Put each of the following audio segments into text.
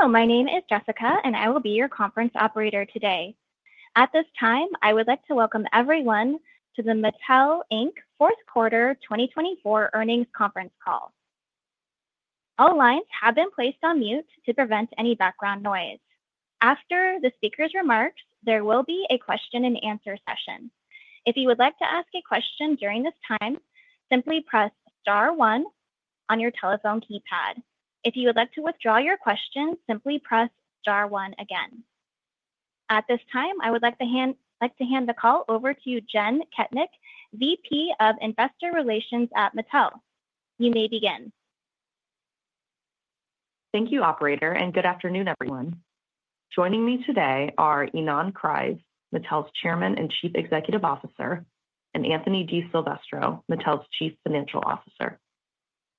Hello, my name is Jessica, and I will be your conference operator today. At this time, I would like to Welcome Everyone to the Mattel Inc. Fourth Quarter 2024 Earnings Conference Call. All lines have been placed on mute to prevent any background noise. After the speaker's remarks, there will be a question-and-answer session. If you would like to ask a question during this time, simply press star one on your telephone keypad. If you would like to withdraw your question, simply press star one again. At this time, I would like to hand the call over to Jenn Kettnich, VP of Investor Relations at Mattel. You may begin. Thank you, Operator, and good afternoon, everyone. Joining me today are Ynon Kreiz, Mattel's Chairman and Chief Executive Officer, and Anthony DiSilvestro, Mattel's Chief Financial Officer.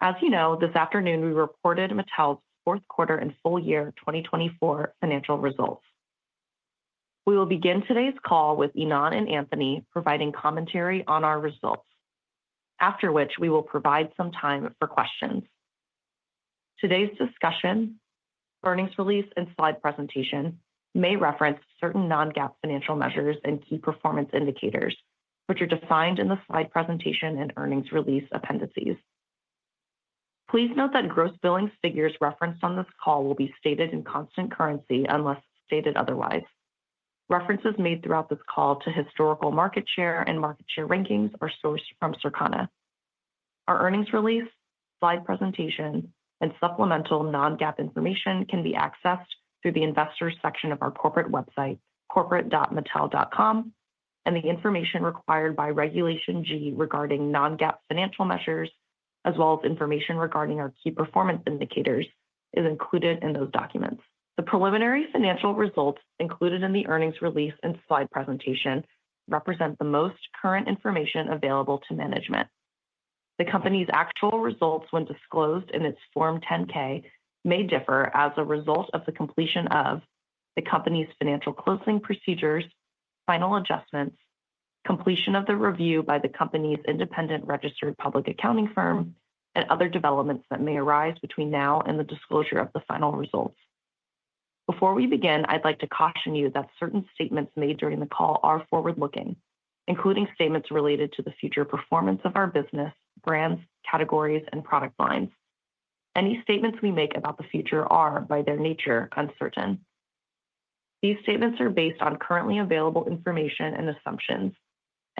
As you know, this afternoon we reported Mattel's fourth quarter and full year 2024 financial results. We will begin today's call with Ynon and Anthony providing commentary on our results, after which we will provide some time for questions. Today's discussion, earnings release, and slide presentation may reference certain non-GAAP financial measures and key performance indicators, which are defined in the slide presentation and earnings release appendices. Please note that gross billing figures referenced on this call will be stated in constant currency unless stated otherwise. References made throughout this call to historical market share and market share rankings are sourced from Circona. Our earnings release, slide presentation, and supplemental non-GAAP information can be accessed through the investors' section of our corporate website, corporate.mattel.com, and the information required by Regulation G regarding non-GAAP financial measures, as well as information regarding our key performance indicators, is included in those documents. The preliminary financial results included in the earnings release and slide presentation represent the most current information available to management. The company's actual results, when disclosed in its Form 10-K, may differ as a result of the completion of the company's financial closing procedures, final adjustments, completion of the review by the company's independent registered public accounting firm, and other developments that may arise between now and the disclosure of the final results. Before we begin, I'd like to caution you that certain statements made during the call are forward-looking, including statements related to the future performance of our business, brands, categories, and product lines. Any statements we make about the future are, by their nature, uncertain. These statements are based on currently available information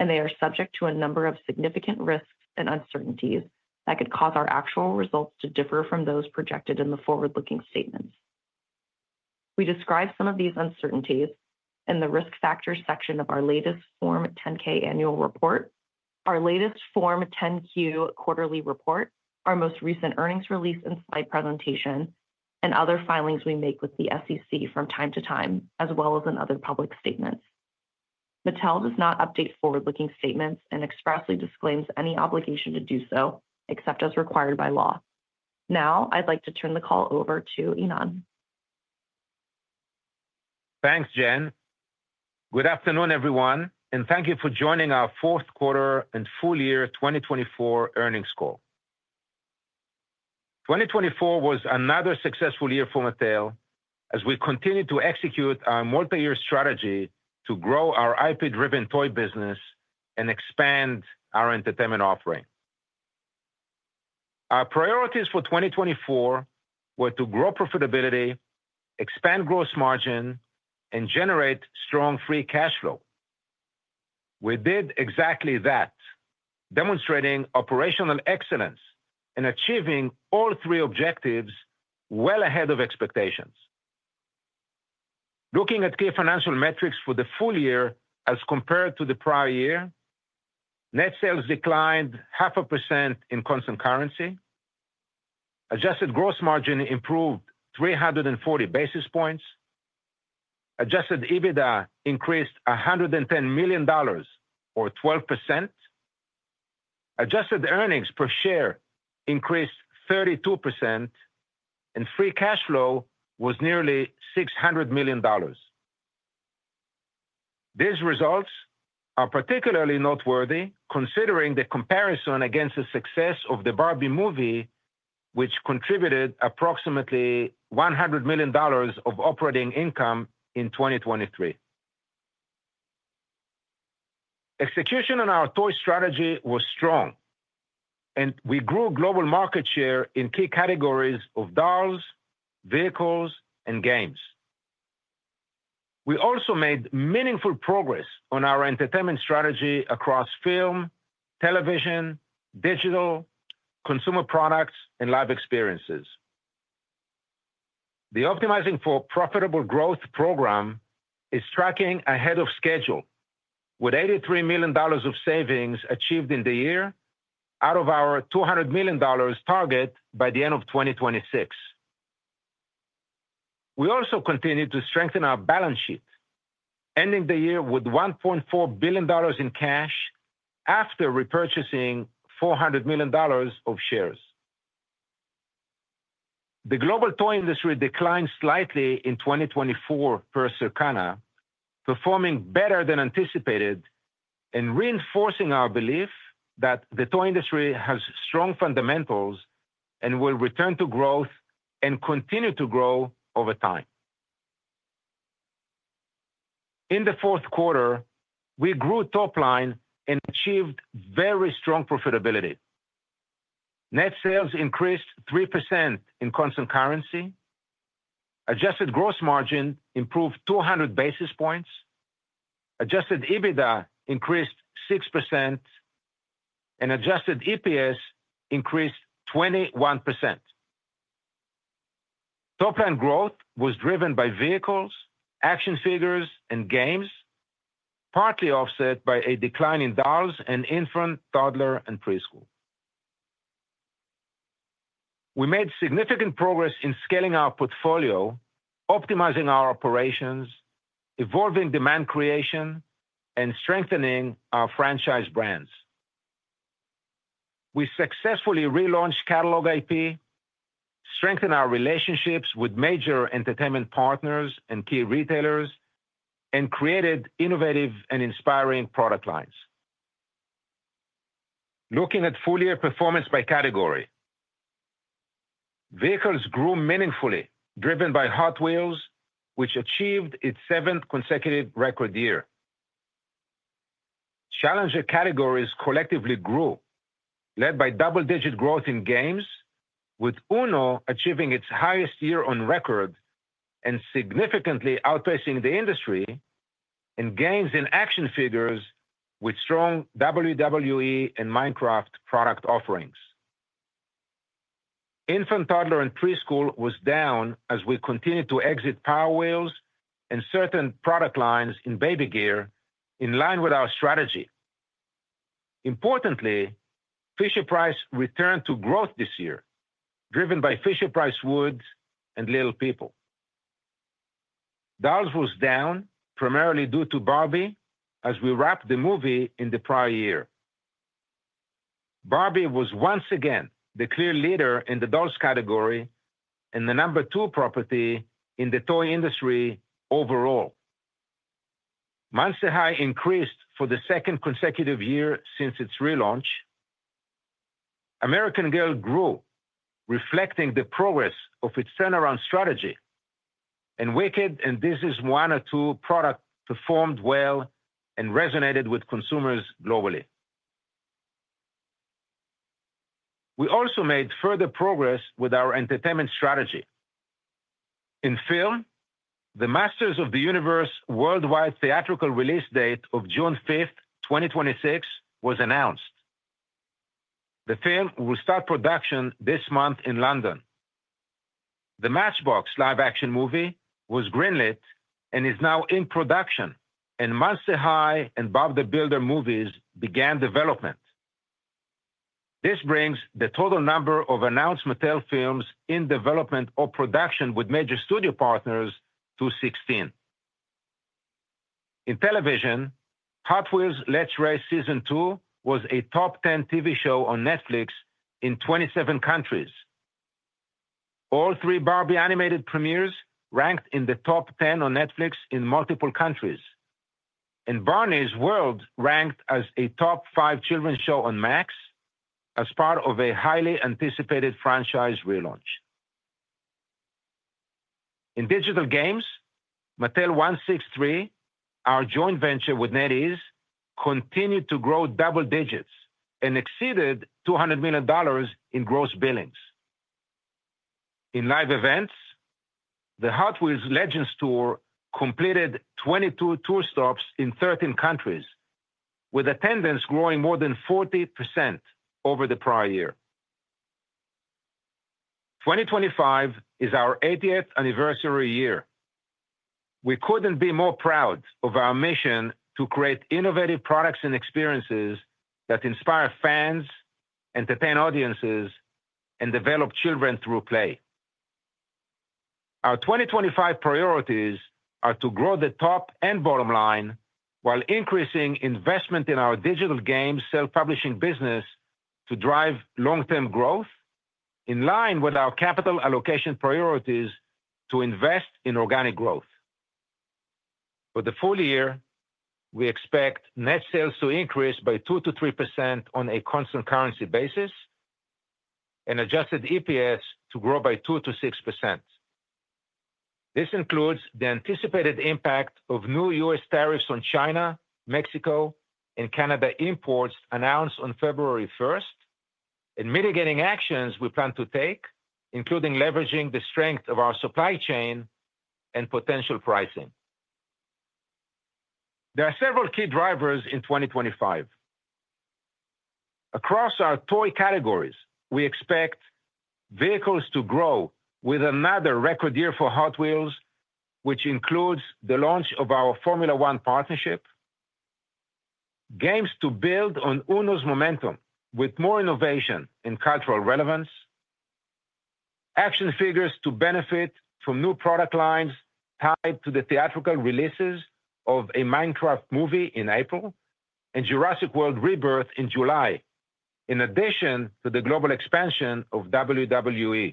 and assumptions, and they are subject to a number of significant risks and uncertainties that could cause our actual results to differ from those projected in the forward-looking statements. We describe some of these uncertainties in the risk factors section of our latest Form 10-K annual report, our latest Form 10-Q quarterly report, our most recent earnings release and slide presentation, and other filings we make with the SEC from time to time, as well as in other public statements. Mattel does not update forward-looking statements and expressly disclaims any obligation to do so except as required by law. Now, I'd like to turn the call over to Ynon. Thanks, Jenn. Good afternoon, everyone, and thank you for joining our fourth quarter and full year 2024 earnings call. 2024 was another successful year for Mattel as we continued to execute our multi-year strategy to grow our IP-driven toy business and expand our entertainment offering. Our priorities for 2024 were to grow profitability, expand gross margin, and generate strong free cash flow. We did exactly that, demonstrating operational excellence and achieving all three objectives well ahead of expectations. Looking at key financial metrics for the full year as compared to the prior year, net sales declined 0.5% in constant currency, adjusted gross margin improved 340 basis points, Adjusted EBITDA increased $110 million, or 12%, adjusted earnings per share increased 32%, and free cash flow was nearly $600 million. These results are particularly noteworthy considering the comparison against the success of the Barbie movie, which contributed approximately $100 million of operating income in 2023. Execution on our toy strategy was strong, and we grew global market share in key categories of dolls, vehicles, and games. We also made meaningful progress on our entertainment strategy across film, television, digital, consumer products, and live experiences. The Optimizing for Profitable Growth program is tracking ahead of schedule, with $83 million of savings achieved in the year out of our $200 million target by the end of 2026. We also continue to strengthen our balance sheet, ending the year with $1.4 billion in cash after repurchasing $400 million of shares. The global toy industry declined slightly in 2024 per Circona, performing better than anticipated and reinforcing our belief that the toy industry has strong fundamentals and will return to growth and continue to grow over time. In the fourth quarter, we grew top line and achieved very strong profitability. Net sales increased 3% in constant currency, adjusted gross margin improved 200 basis points, adjusted EBITDA increased 6%, and adjusted EPS increased 21%. Top line growth was driven by vehicles, action figures, and games, partly offset by a decline in dolls and infant toddler and preschool. We made significant progress in scaling our portfolio, optimizing our operations, evolving demand creation, and strengthening our franchise brands. We successfully relaunched catalog IP, strengthened our relationships with major entertainment partners and key retailers, and created innovative and inspiring product lines. Looking at full-year performance by category, vehicles grew meaningfully, driven by Hot Wheels, which achieved its seventh consecutive record year. Challenger categories collectively grew, led by double-digit growth in games, with UNO achieving its highest year on record and significantly outpacing the industry in games and action figures with strong WWE and Minecraft product offerings. Infant, toddler, and preschool was down as we continued to exit Power Wheels and certain product lines in baby gear, in line with our strategy. Importantly, Fisher-Price returned to growth this year, driven by Fisher-Price Wood and Little People. Dolls was down, primarily due to Barbie, as we wrapped the movie in the prior year. Barbie was once again the clear leader in the dolls category and the number two property in the toy industry overall. Monster High increased for the second consecutive year since its relaunch. American Girl grew, reflecting the progress of its turnaround strategy, and Wicked and Moana 2 products performed well and resonated with consumers globally. We also made further progress with our entertainment strategy. In film, The Masters of the Universe worldwide theatrical release date of June 5, 2026, was announced. The film will start production this month in London. The Matchbox live-action movie was greenlit and is now in production, and Monster High and Bob the Builder movies began development. This brings the total number of announced Mattel films in development or production with major studio partners to 16. In television, Hot Wheels Let's Race Season 2 was a top 10 TV show on Netflix in 27 countries. All three Barbie animated premieres ranked in the top 10 on Netflix in multiple countries, and Barney's World ranked as a top five children's show on Max as part of a highly anticipated franchise relaunch. In digital games, Mattel163, our joint venture with NetEase, continued to grow double digits and exceeded $200 million in gross billings. In live events, the Hot Wheels Legends Tour completed 22 tour stops in 13 countries, with attendance growing more than 40% over the prior year. 2025 is our 80th anniversary year. We couldn't be more proud of our mission to create innovative products and experiences that inspire fans, entertain audiences, and develop children through play. Our 2025 priorities are to grow the top and bottom line while increasing investment in our digital games self-publishing business to drive long-term growth, in line with our capital allocation priorities to invest in organic growth. For the full year, we expect net sales to increase by 2%-3% on a constant currency basis and adjusted EPS to grow by 2%-6%. This includes the anticipated impact of new U.S. tariffs on China, Mexico, and Canada imports announced on February 1, and mitigating actions we plan to take, including leveraging the strength of our supply chain and potential pricing. There are several key drivers in 2025. Across our toy categories, we expect vehicles to grow with another record year for Hot Wheels, which includes the launch of our Formula One partnership, games to build on Uno's momentum with more innovation and cultural relevance, action figures to benefit from new product lines tied to the theatrical releases of a Minecraft movie in April and Jurassic World: Rebirth in July, in addition to the global expansion of WWE,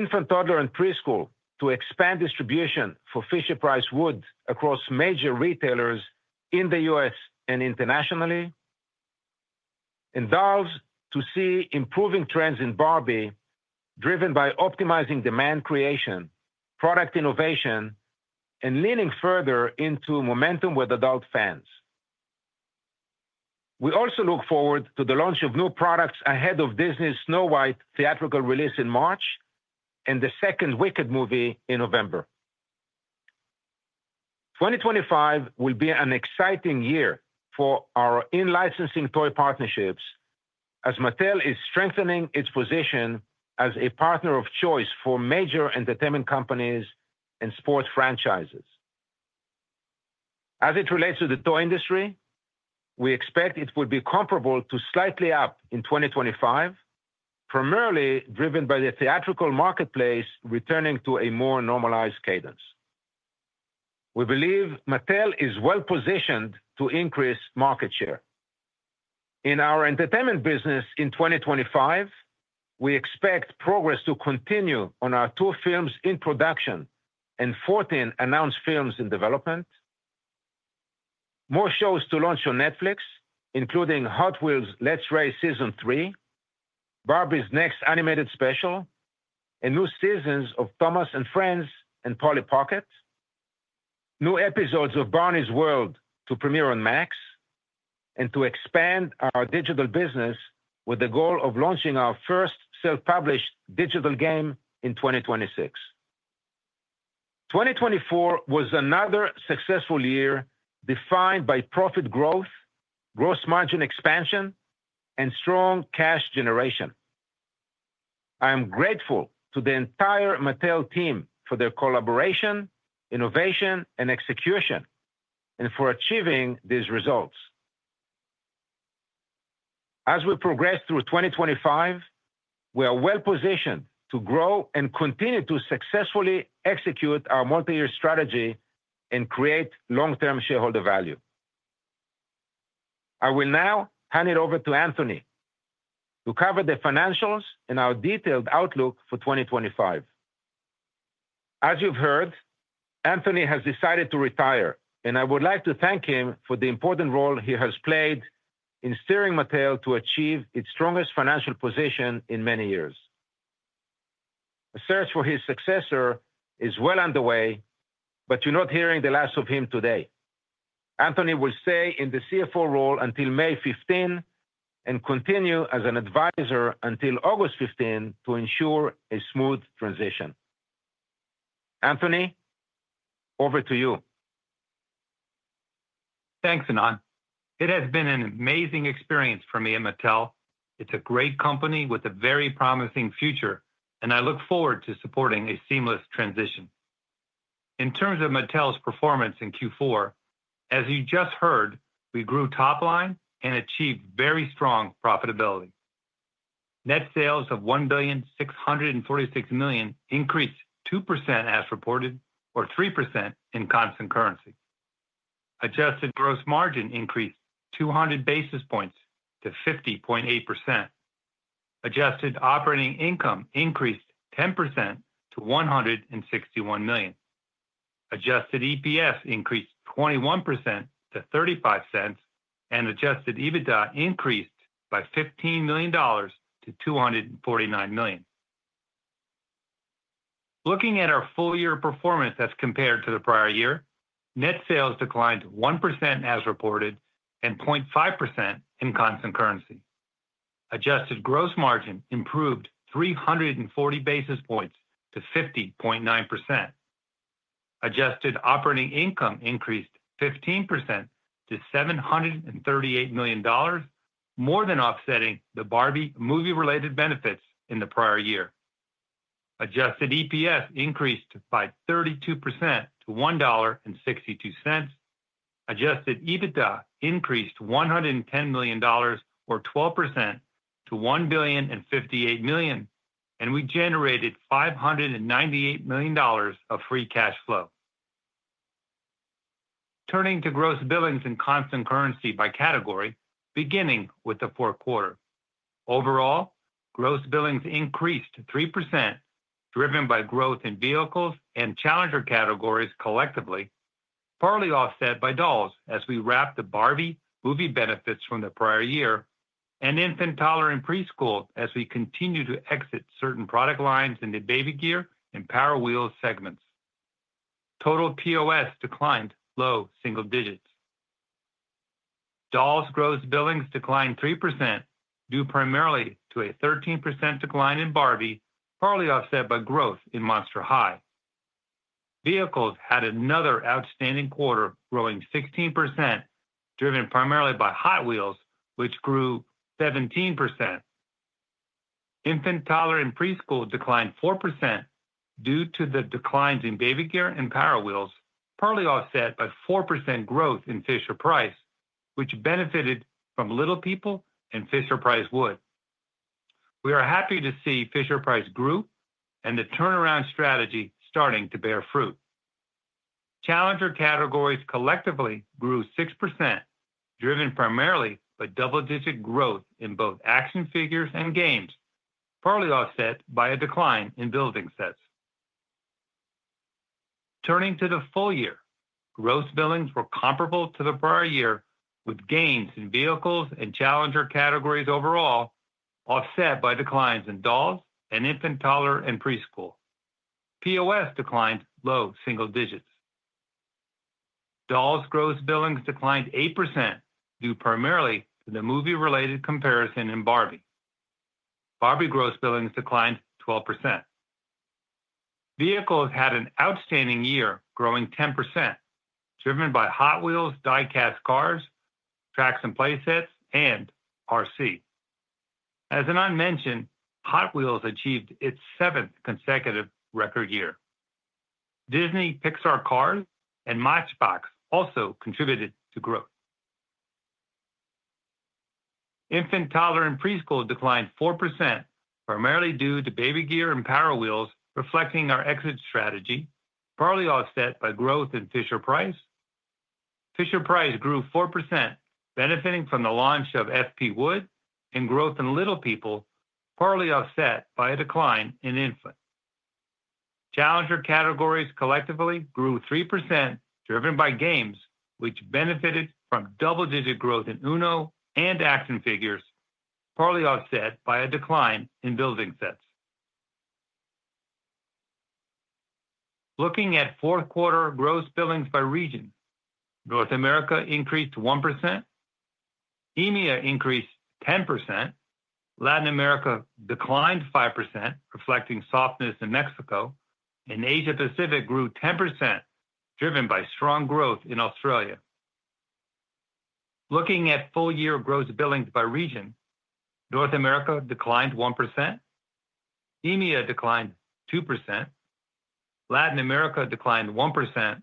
infant toddler and preschool to expand distribution for Fisher-Price Wood across major retailers in the U.S. and internationally, and dolls to see improving trends in Barbie, driven by optimizing demand creation, product innovation, and leaning further into momentum with adult fans. We also look forward to the launch of new products ahead of Disney's Snow White theatrical release in March and the second Wicked movie in November. 2025 will be an exciting year for our in-licensing toy partnerships as Mattel is strengthening its position as a partner of choice for major entertainment companies and sports franchises. As it relates to the toy industry, we expect it would be comparable to slightly up in 2025, primarily driven by the theatrical marketplace returning to a more normalized cadence. We believe Mattel is well positioned to increase market share. In our entertainment business in 2025, we expect progress to continue on our two films in production and 14 announced films in development, more shows to launch on Netflix, including Hot Wheels Let's Race Season 3, Barbie's next animated special, and new seasons of Thomas & Friends and Polly Pocket, new episodes of Barney's World to premiere on Max, and to expand our digital business with the goal of launching our first self-published digital game in 2026. 2024 was another successful year defined by profit growth, gross margin expansion, and strong cash generation. I am grateful to the entire Mattel team for their collaboration, innovation, and execution, and for achieving these results. As we progress through 2025, we are well positioned to grow and continue to successfully execute our multi-year strategy and create long-term shareholder value. I will now hand it over to Anthony to cover the financials and our detailed outlook for 2025. As you've heard, Anthony has decided to retire, and I would like to thank him for the important role he has played in steering Mattel to achieve its strongest financial position in many years. A search for his successor is well underway, but you're not hearing the last of him today. Anthony will stay in the CFO role until May 15 and continue as an advisor until August 15 to ensure a smooth transition. Anthony, over to you. Thanks, Ynon. It has been an amazing experience for me at Mattel. It's a great company with a very promising future, and I look forward to supporting a seamless transition. In terms of Mattel's performance in Q4, as you just heard, we grew top line and achieved very strong profitability. Net sales of $1,646 million increased 2% as reported, or 3% in constant currency. Adjusted gross margin increased 200 basis points to 50.8%. Adjusted operating income increased 10% to $161 million. Adjusted EPS increased 21% to $0.35, and adjusted EBITDA increased by $15 million to $249 million. Looking at our full year performance as compared to the prior year, net sales declined 1% as reported and 0.5% in constant currency. Adjusted gross margin improved 340 basis points to 50.9%. Adjusted operating income increased 15% to $738 million, more than offsetting the Barbie movie-related benefits in the prior year. Adjusted EPS increased by 32% to $1.62. Adjusted EBITDA increased $110 million, or 12% to $1,058 million, and we generated $598 million of free cash flow. Turning to gross billings in constant currency by category, beginning with the fourth quarter. Overall, gross billings increased 3%, driven by growth in vehicles and challenger categories collectively, partly offset by dolls as we wrapped the Barbie movie benefits from the prior year and infant, toddler, and preschool as we continue to exit certain product lines in the baby gear and Power Wheels segments. Total POS declined low single digits. Dolls gross billings declined 3% due primarily to a 13% decline in Barbie, partly offset by growth in Monster High. Vehicles had another outstanding quarter growing 16%, driven primarily by Hot Wheels, which grew 17%. Infant toddler and preschool declined 4% due to the declines in baby gear and Power Wheels, partly offset by 4% growth in Fisher-Price, which benefited from Little People and Fisher-Price Wood. We are happy to see Fisher-Price Group and the turnaround strategy starting to bear fruit. Challenger categories collectively grew 6%, driven primarily by double-digit growth in both action figures and games, partly offset by a decline in building sets. Turning to the full year, gross billings were comparable to the prior year, with gains in vehicles and challenger categories overall offset by declines in dolls and infant toddler and preschool. POS declined low single digits. Dolls gross billings declined 8% due primarily to the movie-related comparison in Barbie. Barbie gross billings declined 12%. Vehicles had an outstanding year, growing 10%, driven by Hot Wheels, die-cast cars, tracks and playsets, and RC. As Ynon mentioned, Hot Wheels achieved its seventh consecutive record year. Disney, Pixar Cars, and Matchbox also contributed to growth. Infant toddler and preschool declined 4%, primarily due to baby gear and Power Wheels, reflecting our exit strategy, partly offset by growth in Fisher-Price. Fisher-Price grew 4%, benefiting from the launch of F.P. Wood and growth in Little People, partly offset by a decline in infants. Challenger categories collectively grew 3%, driven by games, which benefited from double-digit growth in Uno and action figures, partly offset by a decline in building sets. Looking at fourth quarter gross billings by region, North America increased 1%, EMEA increased 10%, Latin America declined 5%, reflecting softness in Mexico, and Asia-Pacific grew 10%, driven by strong growth in Australia. Looking at full year gross billings by region, North America declined 1%, EMEA declined 2%, Latin America declined 1%,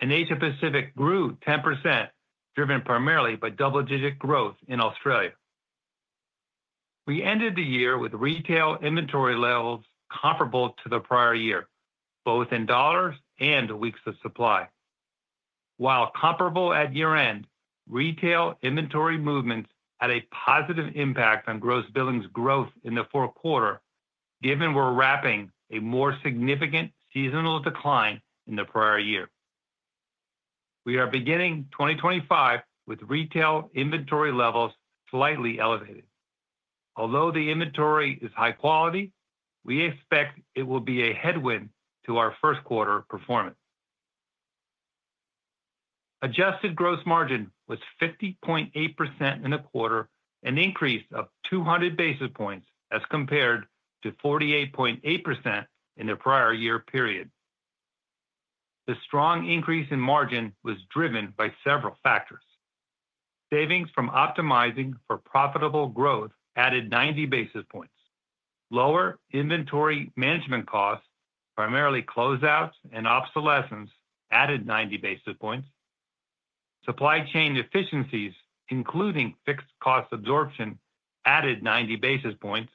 and Asia-Pacific grew 10%, driven primarily by double-digit growth in Australia. We ended the year with retail inventory levels comparable to the prior year, both in dollars and weeks of supply. While comparable at year-end, retail inventory movements had a positive impact on gross billings growth in the fourth quarter, given we're wrapping a more significant seasonal decline in the prior year. We are beginning 2025 with retail inventory levels slightly elevated. Although the inventory is high quality, we expect it will be a headwind to our first quarter performance. Adjusted gross margin was 50.8% in the quarter, an increase of 200 basis points as compared to 48.8% in the prior year period. The strong increase in margin was driven by several factors. Savings from optimizing for profitable growth added 90 basis points. Lower inventory management costs, primarily closeouts and obsolescence, added 90 basis points. Supply chain efficiencies, including fixed cost absorption, added 90 basis points,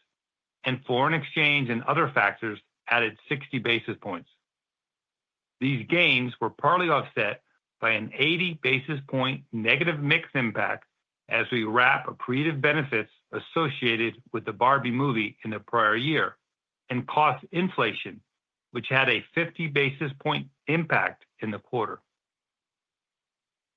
and foreign exchange and other factors added 60 basis points. These gains were partly offset by an 80 basis point negative mix impact as we wrap accretive benefits associated with the Barbie movie in the prior year and cost inflation, which had a 50 basis point impact in the quarter.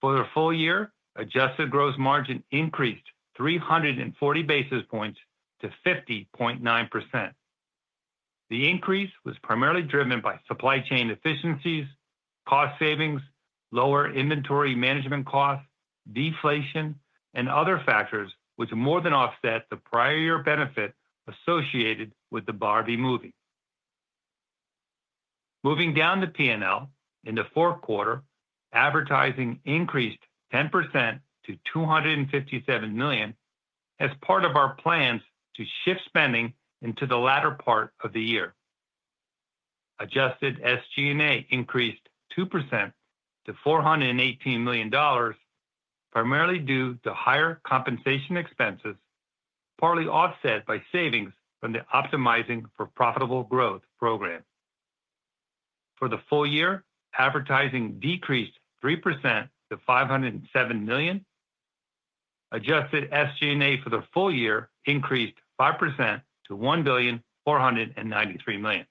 For the full year, adjusted gross margin increased 340 basis points to 50.9%. The increase was primarily driven by supply chain efficiencies, cost savings, lower inventory management costs, deflation, and other factors which more than offset the prior year benefit associated with the Barbie movie. Moving down the P&L, in the fourth quarter, advertising increased 10% to $257 million as part of our plans to shift spending into the latter part of the year. Adjusted SG&A increased 2% to $418 million, primarily due to higher compensation expenses, partly offset by savings from the optimizing for profitable growth program. For the full year, advertising decreased 3% to $507 million. Adjusted SG&A for the full year increased 5% to $1,493 million.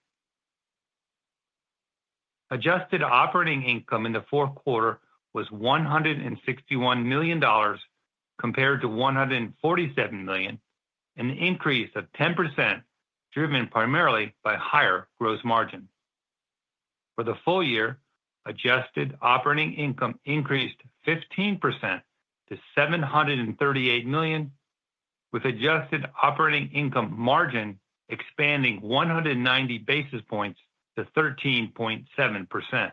Adjusted operating income in the fourth quarter was $161 million compared to $147 million, an increase of 10% driven primarily by higher gross margin. For the full year, adjusted operating income increased 15% to $738 million, with adjusted operating income margin expanding 190 basis points to 13.7%.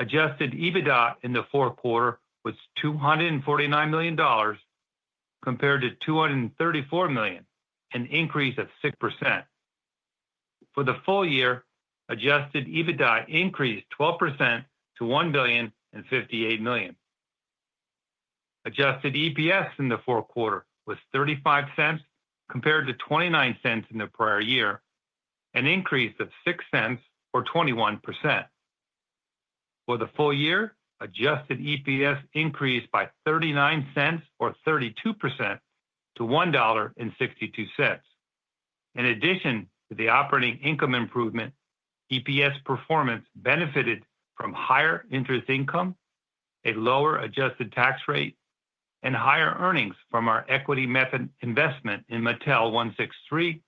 Adjusted EBITDA in the fourth quarter was $249 million compared to $234 million, an increase of 6%. For the full year, adjusted EBITDA increased 12% to $1,058 million. Adjusted EPS in the fourth quarter was $0.35 compared to $0.29 in the prior year, an increase of $0.06, or 21%. For the full year, adjusted EPS increased by $0.39, or 32%, to $1.62. In addition to the operating income improvement, EPS performance benefited from higher interest income, a lower adjusted tax rate, and higher earnings from our equity method investment in Mattel 163,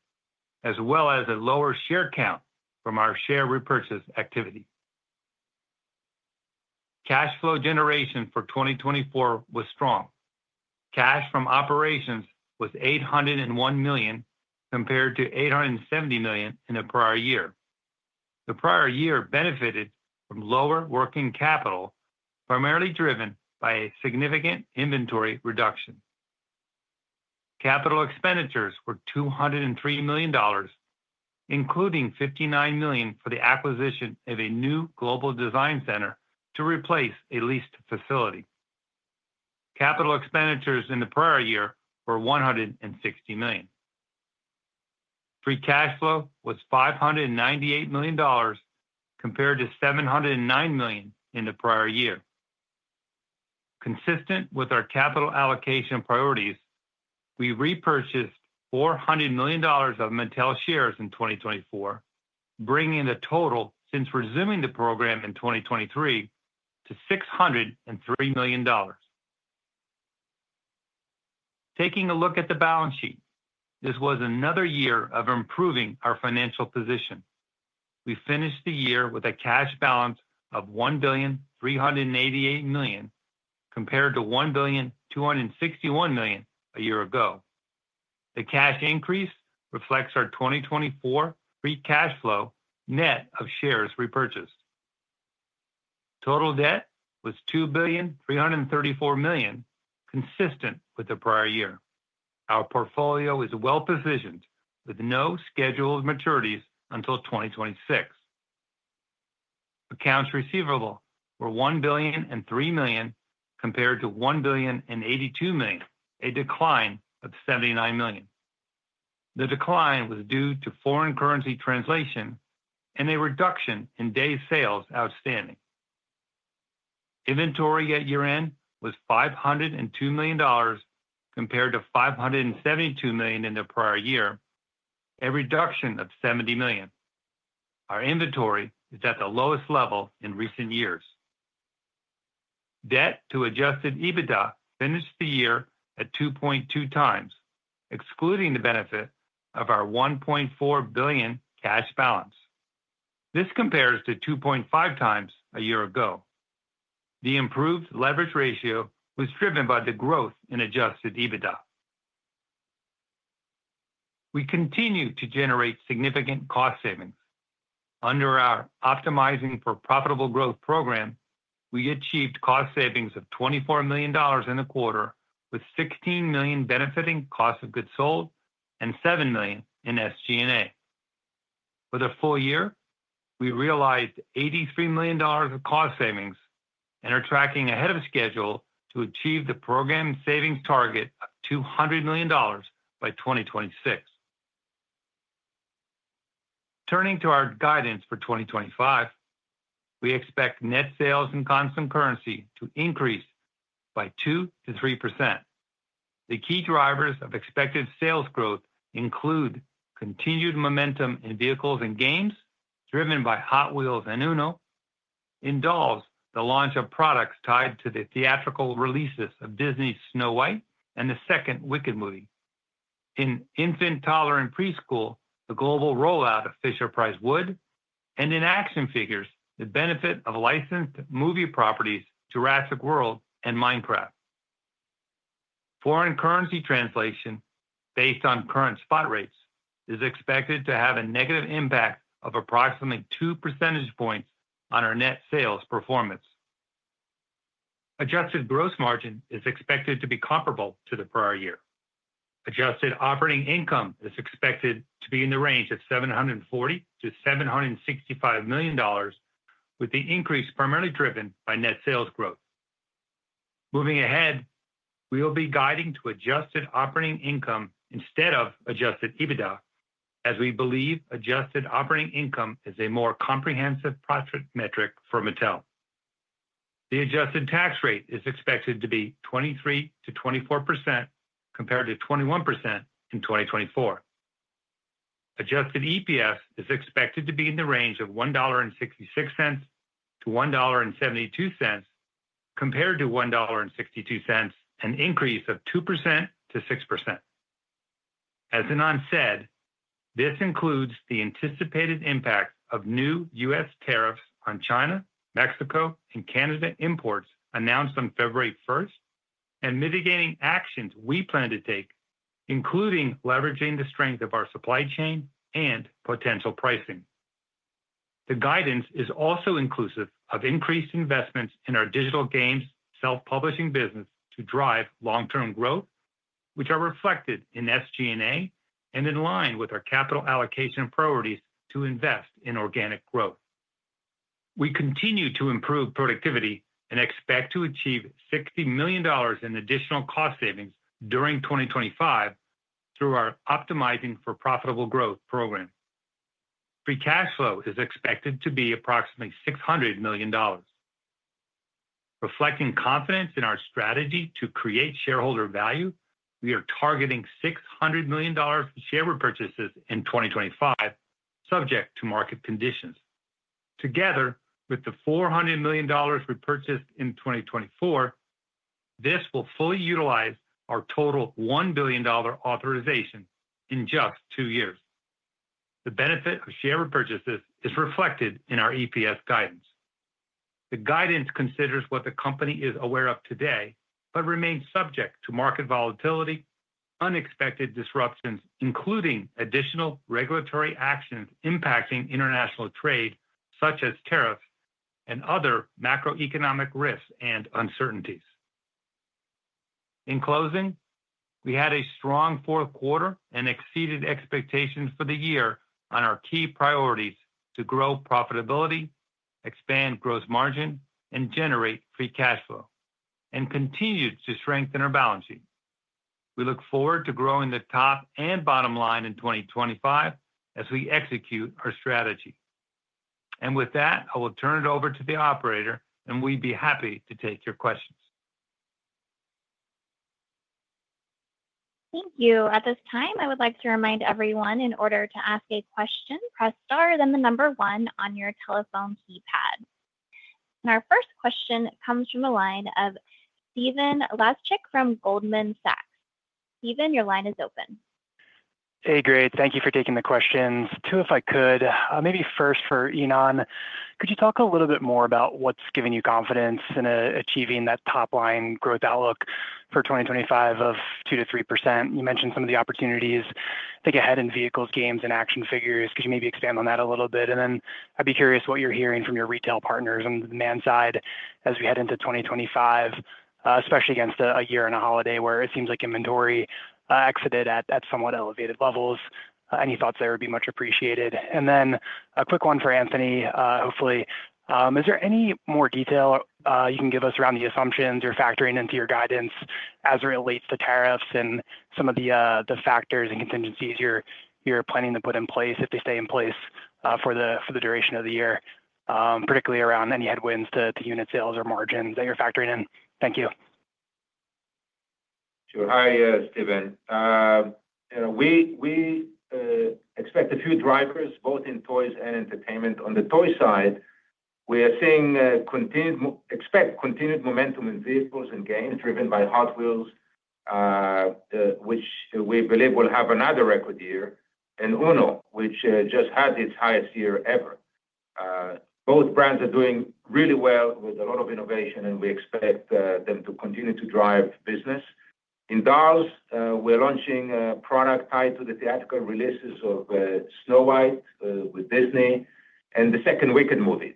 as well as a lower share count from our share repurchase activity. Cash flow generation for 2024 was strong. Cash from operations was $801 million compared to $870 million in the prior year. The prior year benefited from lower working capital, primarily driven by a significant inventory reduction. Capital expenditures were $203 million, including $59 million for the acquisition of a new global design center to replace a leased facility. Capital expenditures in the prior year were $160 million. Free Cash Flow was $598 million compared to $709 million in the prior year. Consistent with our capital allocation priorities, we repurchased $400 million of Mattel shares in 2024, bringing the total since resuming the program in 2023 to $603 million. Taking a look at the balance sheet, this was another year of improving our financial position. We finished the year with a cash balance of $1,388 million compared to $1,261 million a year ago. The cash increase reflects our 2024 Free Cash Flow net of shares repurchased. Total debt was $2,334 million, consistent with the prior year. Our portfolio is well-positioned with no scheduled maturities until 2026. Accounts receivable were $1,003 million compared to $1,082 million, a decline of $79 million. The decline was due to foreign currency translation and a reduction in day sales outstanding. Inventory at year-end was $502 million compared to $572 million in the prior year, a reduction of $70 million. Our inventory is at the lowest level in recent years. Debt to Adjusted EBITDA finished the year at 2.2 times, excluding the benefit of our $1.4 billion cash balance. This compares to 2.5 times a year ago. The improved leverage ratio was driven by the growth in Adjusted EBITDA. We continue to generate significant cost savings. Under our Optimizing for Profitable Growth program, we achieved cost savings of $24 million in the quarter, with $16 million benefiting cost of goods sold and $7 million in SG&A. For the full year, we realized $83 million of cost savings and are tracking ahead of schedule to achieve the program savings target of $200 million by 2026. Turning to our guidance for 2025, we expect net sales in constant currency to increase by 2% to 3%. The key drivers of expected sales growth include continued momentum in vehicles and games, driven by Hot Wheels and UNO, in dolls, the launch of products tied to the theatrical releases of Disney's Snow White and the second Wicked movie, in infant toddler and preschool, the global rollout of Fisher-Price Wood, and in action figures, the benefit of licensed movie properties, Jurassic World and Minecraft. Foreign currency translation, based on current spot rates, is expected to have a negative impact of approximately 2 percentage points on our net sales performance. Adjusted gross margin is expected to be comparable to the prior year. Adjusted operating income is expected to be in the range of $740 million-$765 million, with the increase primarily driven by net sales growth. Moving ahead, we will be guiding to adjusted operating income instead of Adjusted EBITDA, as we believe adjusted operating income is a more comprehensive profit metric for Mattel. The adjusted tax rate is expected to be 23%-24% compared to 21% in 2024. Adjusted EPS is expected to be in the range of $1.66-$1.72 compared to $1.62, an increase of 2%-6%. As Ynon said, this includes the anticipated impact of new U.S. tariffs on China, Mexico, and Canada imports announced on February 1st, and mitigating actions we plan to take, including leveraging the strength of our supply chain and potential pricing. The guidance is also inclusive of increased investments in our digital games self-publishing business to drive long-term growth, which are reflected in SG&A and in line with our capital allocation priorities to invest in organic growth. We continue to improve productivity and expect to achieve $60 million in additional cost savings during 2025 through our Optimizing for Profitable Growth program. Free Cash Flow is expected to be approximately $600 million. Reflecting confidence in our strategy to create shareholder value, we are targeting $600 million in share repurchases in 2025, subject to market conditions. Together with the $400 million repurchased in 2024, this will fully utilize our total $1 billion authorization in just two years. The benefit of share repurchases is reflected in our EPS guidance. The guidance considers what the company is aware of today but remains subject to market volatility, unexpected disruptions, including additional regulatory actions impacting international trade, such as tariffs and other macroeconomic risks and uncertainties. In closing, we had a strong fourth quarter and exceeded expectations for the year on our key priorities to grow profitability, expand gross margin, and generate free cash flow, and continued to strengthen our balance sheet. We look forward to growing the top and bottom line in 2025 as we execute our strategy. And with that, I will turn it over to the operator, and we'd be happy to take your questions. Thank you. At this time, I would like to remind everyone in order to ask a question, press star, then the number one on your telephone keypad. And our first question comes from the line of Stephen Laszczyk from Goldman Sachs. Stephen, your line is open. Hey, Grace. Thank you for taking the questions. Two, if I could, maybe first for Ynon, could you talk a little bit more about what's given you confidence in achieving that top-line growth outlook for 2025 of 2%-3%? You mentioned some of the opportunities to get ahead in vehicles, games, and action figures. Could you maybe expand on that a little bit? And then I'd be curious what you're hearing from your retail partners on the demand side as we head into 2025, especially against a year and a holiday where it seems like inventory exited at somewhat elevated levels. Any thoughts there would be much appreciated. And then a quick one for Anthony, hopefully. Is there any more detail you can give us around the assumptions you're factoring into your guidance as it relates to tariffs and some of the factors and contingencies you're planning to put in place if they stay in place for the duration of the year, particularly around any headwinds to unit sales or margins that you're factoring in? Thank you. Sure. Hi, Stephen. We expect a few drivers, both in toys and entertainment. On the toy side, we expect continued momentum in vehicles and games driven by Hot Wheels, which we believe will have another record year, and Uno, which just had its highest year ever. Both brands are doing really well with a lot of innovation, and we expect them to continue to drive business. In dolls, we're launching a product tied to the theatrical releases of Snow White with Disney and the second Wicked movie.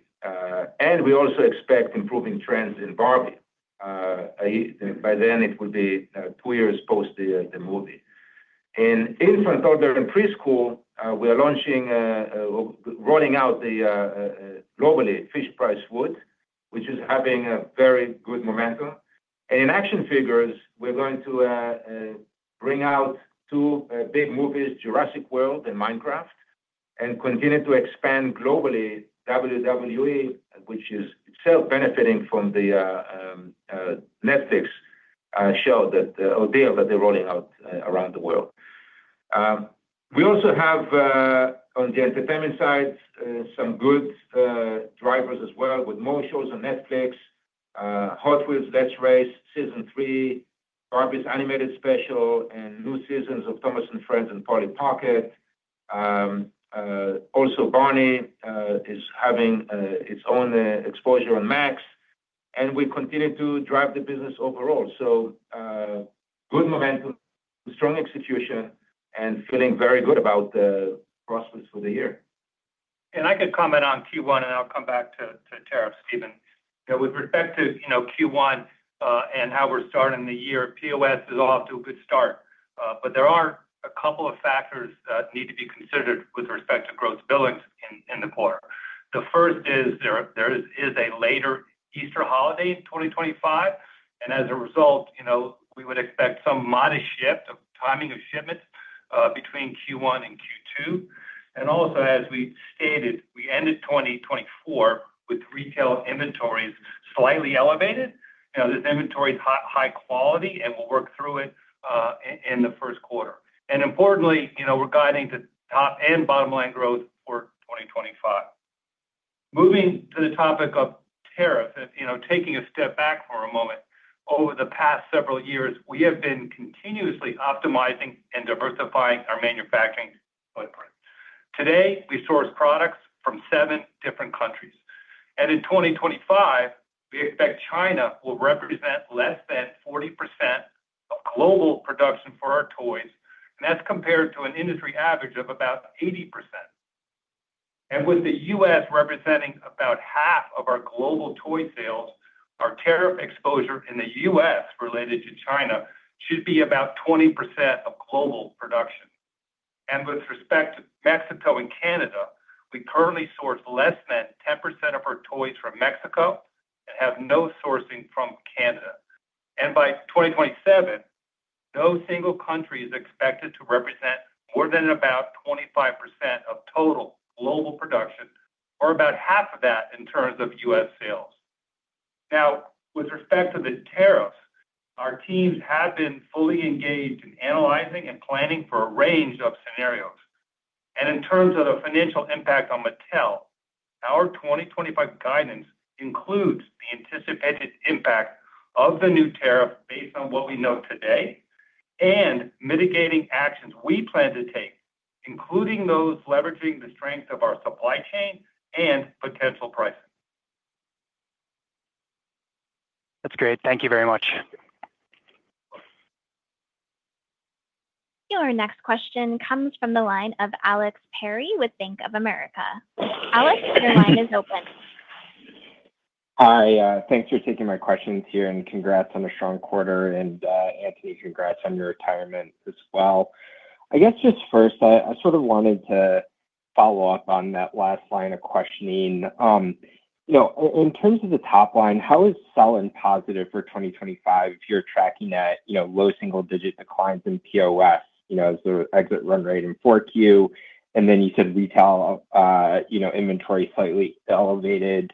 We also expect improving trends in Barbie. By then, it would be two years post the movie. In infant toddler and preschool, we are rolling out globally Fisher-Price Wood, which is having a very good momentum. In action figures, we're going to bring out two big movies, Jurassic World and Minecraft, and continue to expand globally, WWE, which is itself benefiting from the Netflix show that they're rolling out around the world. We also have, on the entertainment side, some good drivers as well, with more shows on Netflix, Hot Wheels Let's Race, Season 3, Barbie's Animated Special, and new seasons of Thomas & Friends and Polly Pocket. Also, Barney is having its own exposure on Max. We continue to drive the business overall. Good momentum, strong execution, and feeling very good about the prospects for the year. And I could comment on Q1, and I'll come back to tariffs, Stephen. With respect to Q1 and how we're starting the year, POS is off to a good start. But there are a couple of factors that need to be considered with respect to gross billings in the quarter. The first is there is a later Easter holiday in 2025. And as a result, we would expect some modest shift of timing of shipments between Q1 and Q2. And also, as we stated, we ended 2024 with retail inventories slightly elevated. This inventory is high quality, and we'll work through it in the first quarter. And importantly, we're guiding the top and bottom line growth for 2025. Moving to the topic of tariffs, taking a step back for a moment, over the past several years, we have been continuously optimizing and diversifying our manufacturing footprint. Today, we source products from seven different countries, and in 2025, we expect China will represent less than 40% of global production for our toys, and that's compared to an industry average of about 80%. With the U.S. representing about half of our global toy sales, our tariff exposure in the U.S. related to China should be about 20% of global production. With respect to Mexico and Canada, we currently source less than 10% of our toys from Mexico and have no sourcing from Canada. By 2027, no single country is expected to represent more than about 25% of total global production, or about half of that in terms of U.S. sales. Now, with respect to the tariffs, our teams have been fully engaged in analyzing and planning for a range of scenarios. In terms of the financial impact on Mattel, our 2025 guidance includes the anticipated impact of the new tariff based on what we know today and mitigating actions we plan to take, including those leveraging the strength of our supply chain and potential pricing. That's great. Thank you very much. Our next question comes from the line of Alex Perry with Bank of America. Alex, your line is open. Hi. Thanks for taking my questions here, and congrats on a strong quarter. And Anthony, congrats on your retirement as well. I guess just first, I sort of wanted to follow up on that last line of questioning. In terms of the top line, how is selling positive for 2025 if you're tracking that low single-digit declines in POS as the exit run rate in 4Q? And then you said retail inventory slightly elevated.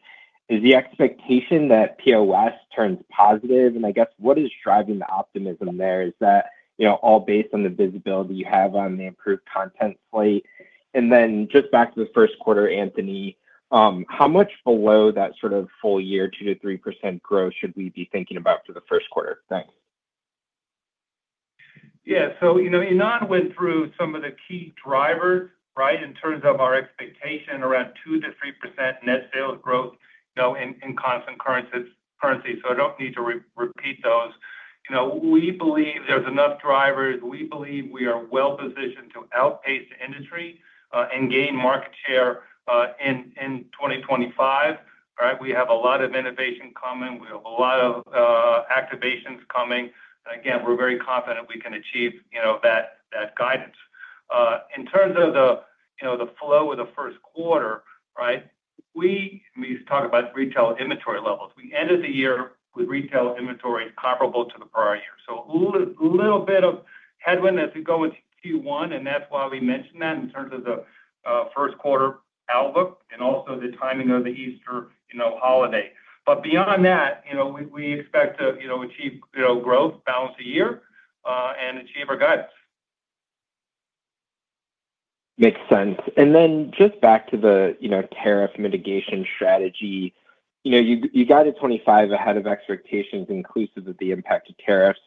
Is the expectation that POS turns positive? And I guess what is driving the optimism there? Is that all based on the visibility you have on the improved content slate? And then just back to the first quarter, Anthony, how much below that sort of full year, 2%-3% growth should we be thinking about for the first quarter? Thanks. Yeah. So Ynon went through some of the key drivers, right, in terms of our expectation around 2%-3% net sales growth in constant currency. So I don't need to repeat those. We believe there's enough drivers. We believe we are well-positioned to outpace the industry and gain market share in 2025. We have a lot of innovation coming. We have a lot of activations coming. And again, we're very confident we can achieve that guidance. In terms of the flow of the first quarter, right, we talk about retail inventory levels. We ended the year with retail inventory comparable to the prior year. So a little bit of headwind as we go into Q1, and that's why we mentioned that in terms of the first quarter outlook and also the timing of the Easter holiday. But beyond that, we expect to achieve growth, balance the year, and achieve our guidance. Makes sense. And then just back to the tariff mitigation strategy, you guided 25 ahead of expectations, inclusive of the impact of tariffs.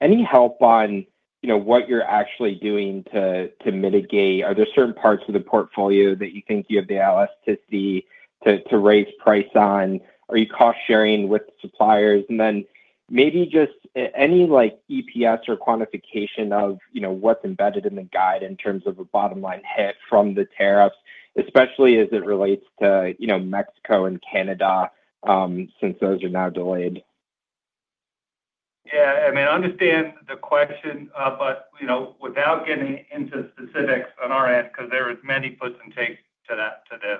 Any help on what you're actually doing to mitigate? Are there certain parts of the portfolio that you think you have the elasticity to raise price on? Are you cost-sharing with suppliers? Then maybe just any EPS or quantification of what's embedded in the guide in terms of a bottom line hit from the tariffs, especially as it relates to Mexico and Canada since those are now delayed? Yeah. I mean, I understand the question, but without getting into specifics on our end, because there are many puts and takes to this.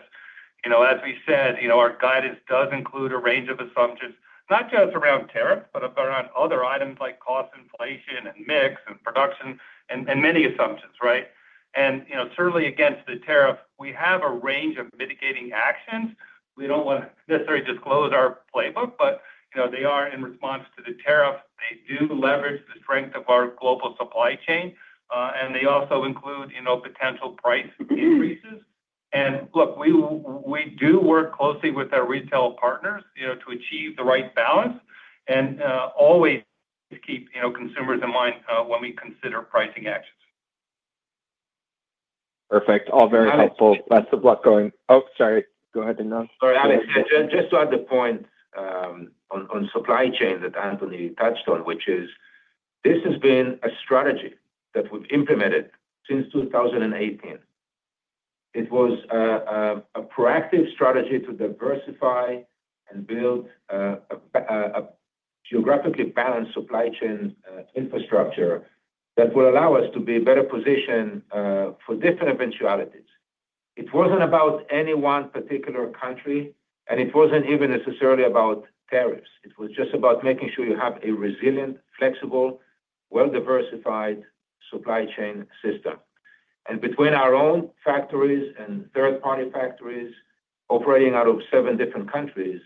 As we said, our guidance does include a range of assumptions, not just around tariffs, but around other items like cost, inflation, and mix, and production, and many assumptions, right? And certainly, against the tariff, we have a range of mitigating actions. We don't want to necessarily disclose our playbook, but they are in response to the tariff. They do leverage the strength of our global supply chain, and they also include potential price increases. Look, we do work closely with our retail partners to achieve the right balance and always keep consumers in mind when we consider pricing actions. Perfect. All very helpful. Lots of luck going, oh, sorry. Go ahead, Ynon. Sorry. Just to add the point on supply chain that Anthony touched on, which is this has been a strategy that we've implemented since 2018. It was a proactive strategy to diversify and build a geographically balanced supply chain infrastructure that will allow us to be better positioned for different eventualities. It wasn't about any one particular country, and it wasn't even necessarily about tariffs. It was just about making sure you have a resilient, flexible, well-diversified supply chain system. Between our own factories and third-party factories operating out of seven different countries,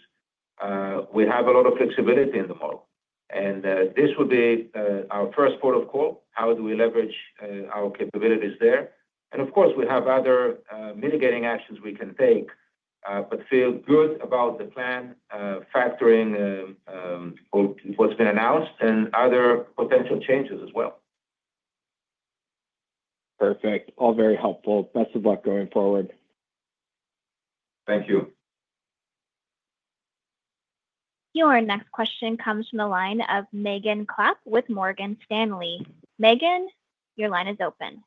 we have a lot of flexibility in the model. This will be our first port of call. How do we leverage our capabilities there? And of course, we have other mitigating actions we can take, but feel good about the plan factoring what's been announced and other potential changes as well. Perfect. All very helpful. Best of luck going forward. Thank you. Your next question comes from the line of Megan Klapp with Morgan Stanley. Megan, your line is open.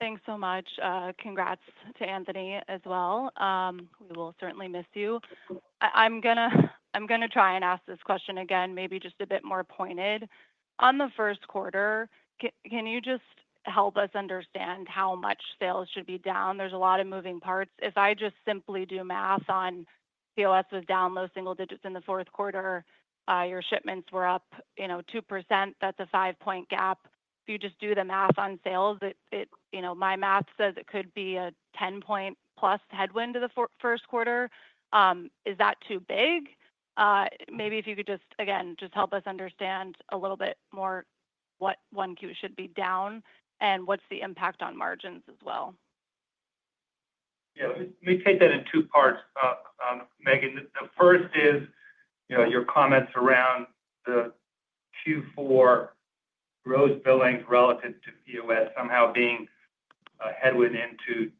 Thanks so much. Congrats to Anthony as well. We will certainly miss you. I'm going to try and ask this question again, maybe just a bit more pointed. On the first quarter, can you just help us understand how much sales should be down? There's a lot of moving parts. If I just simply do math on POS is down low single digits in the fourth quarter, your shipments were up 2%. That's a five-point gap. If you just do the math on sales, my math says it could be a 10-point-plus headwind to the first quarter. Is that too big? Maybe if you could just, again, just help us understand a little bit more what Q1 should be down and what's the impact on margins as well. Yeah. Let me take that in two parts, Megan. The first is your comments around the Q4 gross billings relative to POS somehow being a headwind into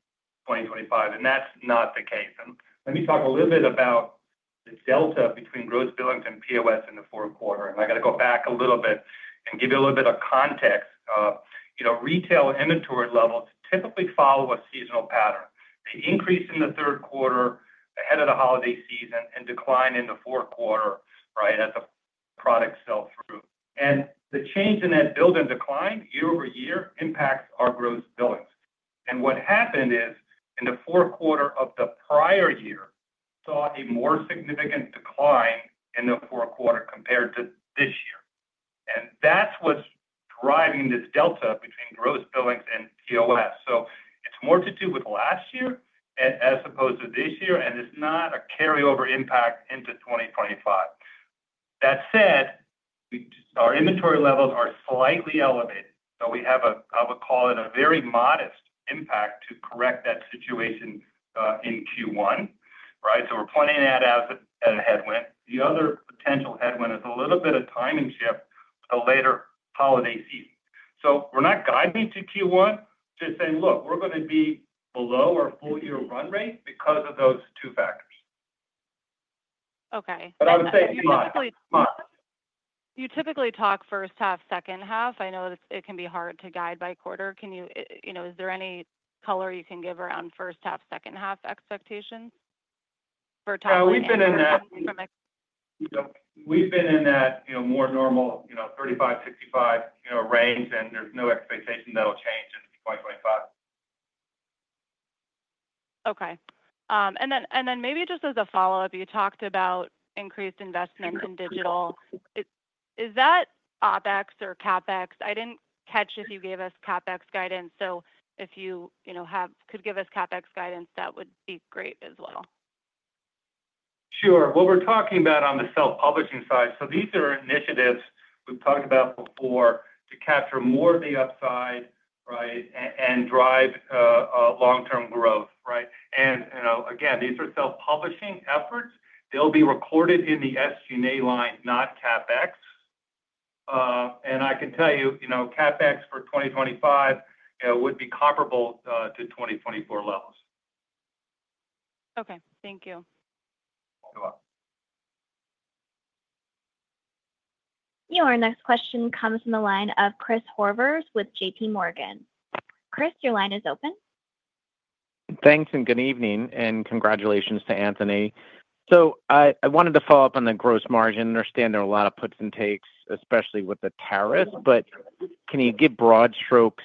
2025. And that's not the case. And let me talk a little bit about the delta between gross billings and POS in the fourth quarter. And I got to go back a little bit and give you a little bit of context. Retail inventory levels typically follow a seasonal pattern. The increase in the third quarter ahead of the holiday season and decline in the fourth quarter at the product sell-through, and the change in that build and decline year over year impacts our gross billings, and what happened is in the fourth quarter of the prior year saw a more significant decline in the fourth quarter compared to this year, and that's what's driving this delta between gross billings and POS, so it's more to do with last year as opposed to this year, and it's not a carryover impact into 2025. That said, our inventory levels are slightly elevated, so we have a, I would call it a very modest impact to correct that situation in Q1, right, so we're pointing that out as a headwind. The other potential headwind is a little bit of timing shift to the later holiday season. We're not guiding to Q1 to say, "Look, we're going to be below our full-year run rate because of those two factors." Okay. But I would say, Ynon, you typically talk first half, second half. I know it can be hard to guide by quarter. Is there any color you can give around first half, second half expectations for timing? Yeah. We've been in that. We've been in that more normal 35-65 range, and there's no expectation that'll change in 2025. Okay. And then maybe just as a follow-up, you talked about increased investment in digital. Is that OpEx or CapEx? I didn't catch if you gave us CapEx guidance. So if you could give us CapEx guidance, that would be great as well. Sure. What we're talking about on the self-publishing side, so these are initiatives we've talked about before to capture more of the upside, right, and drive long-term growth, right? And again, these are self-publishing efforts. They'll be recorded in the SG&A line, not CAPEX. And I can tell you CAPEX for 2025 would be comparable to 2024 levels. Okay. Thank you. Your next question comes from the line of Chris Horvers with JPMorgan. Chris, your line is open. Thanks, and good evening, and congratulations to Anthony. So I wanted to follow up on the gross margin. I understand there are a lot of puts and takes, especially with the tariffs, but can you give broad strokes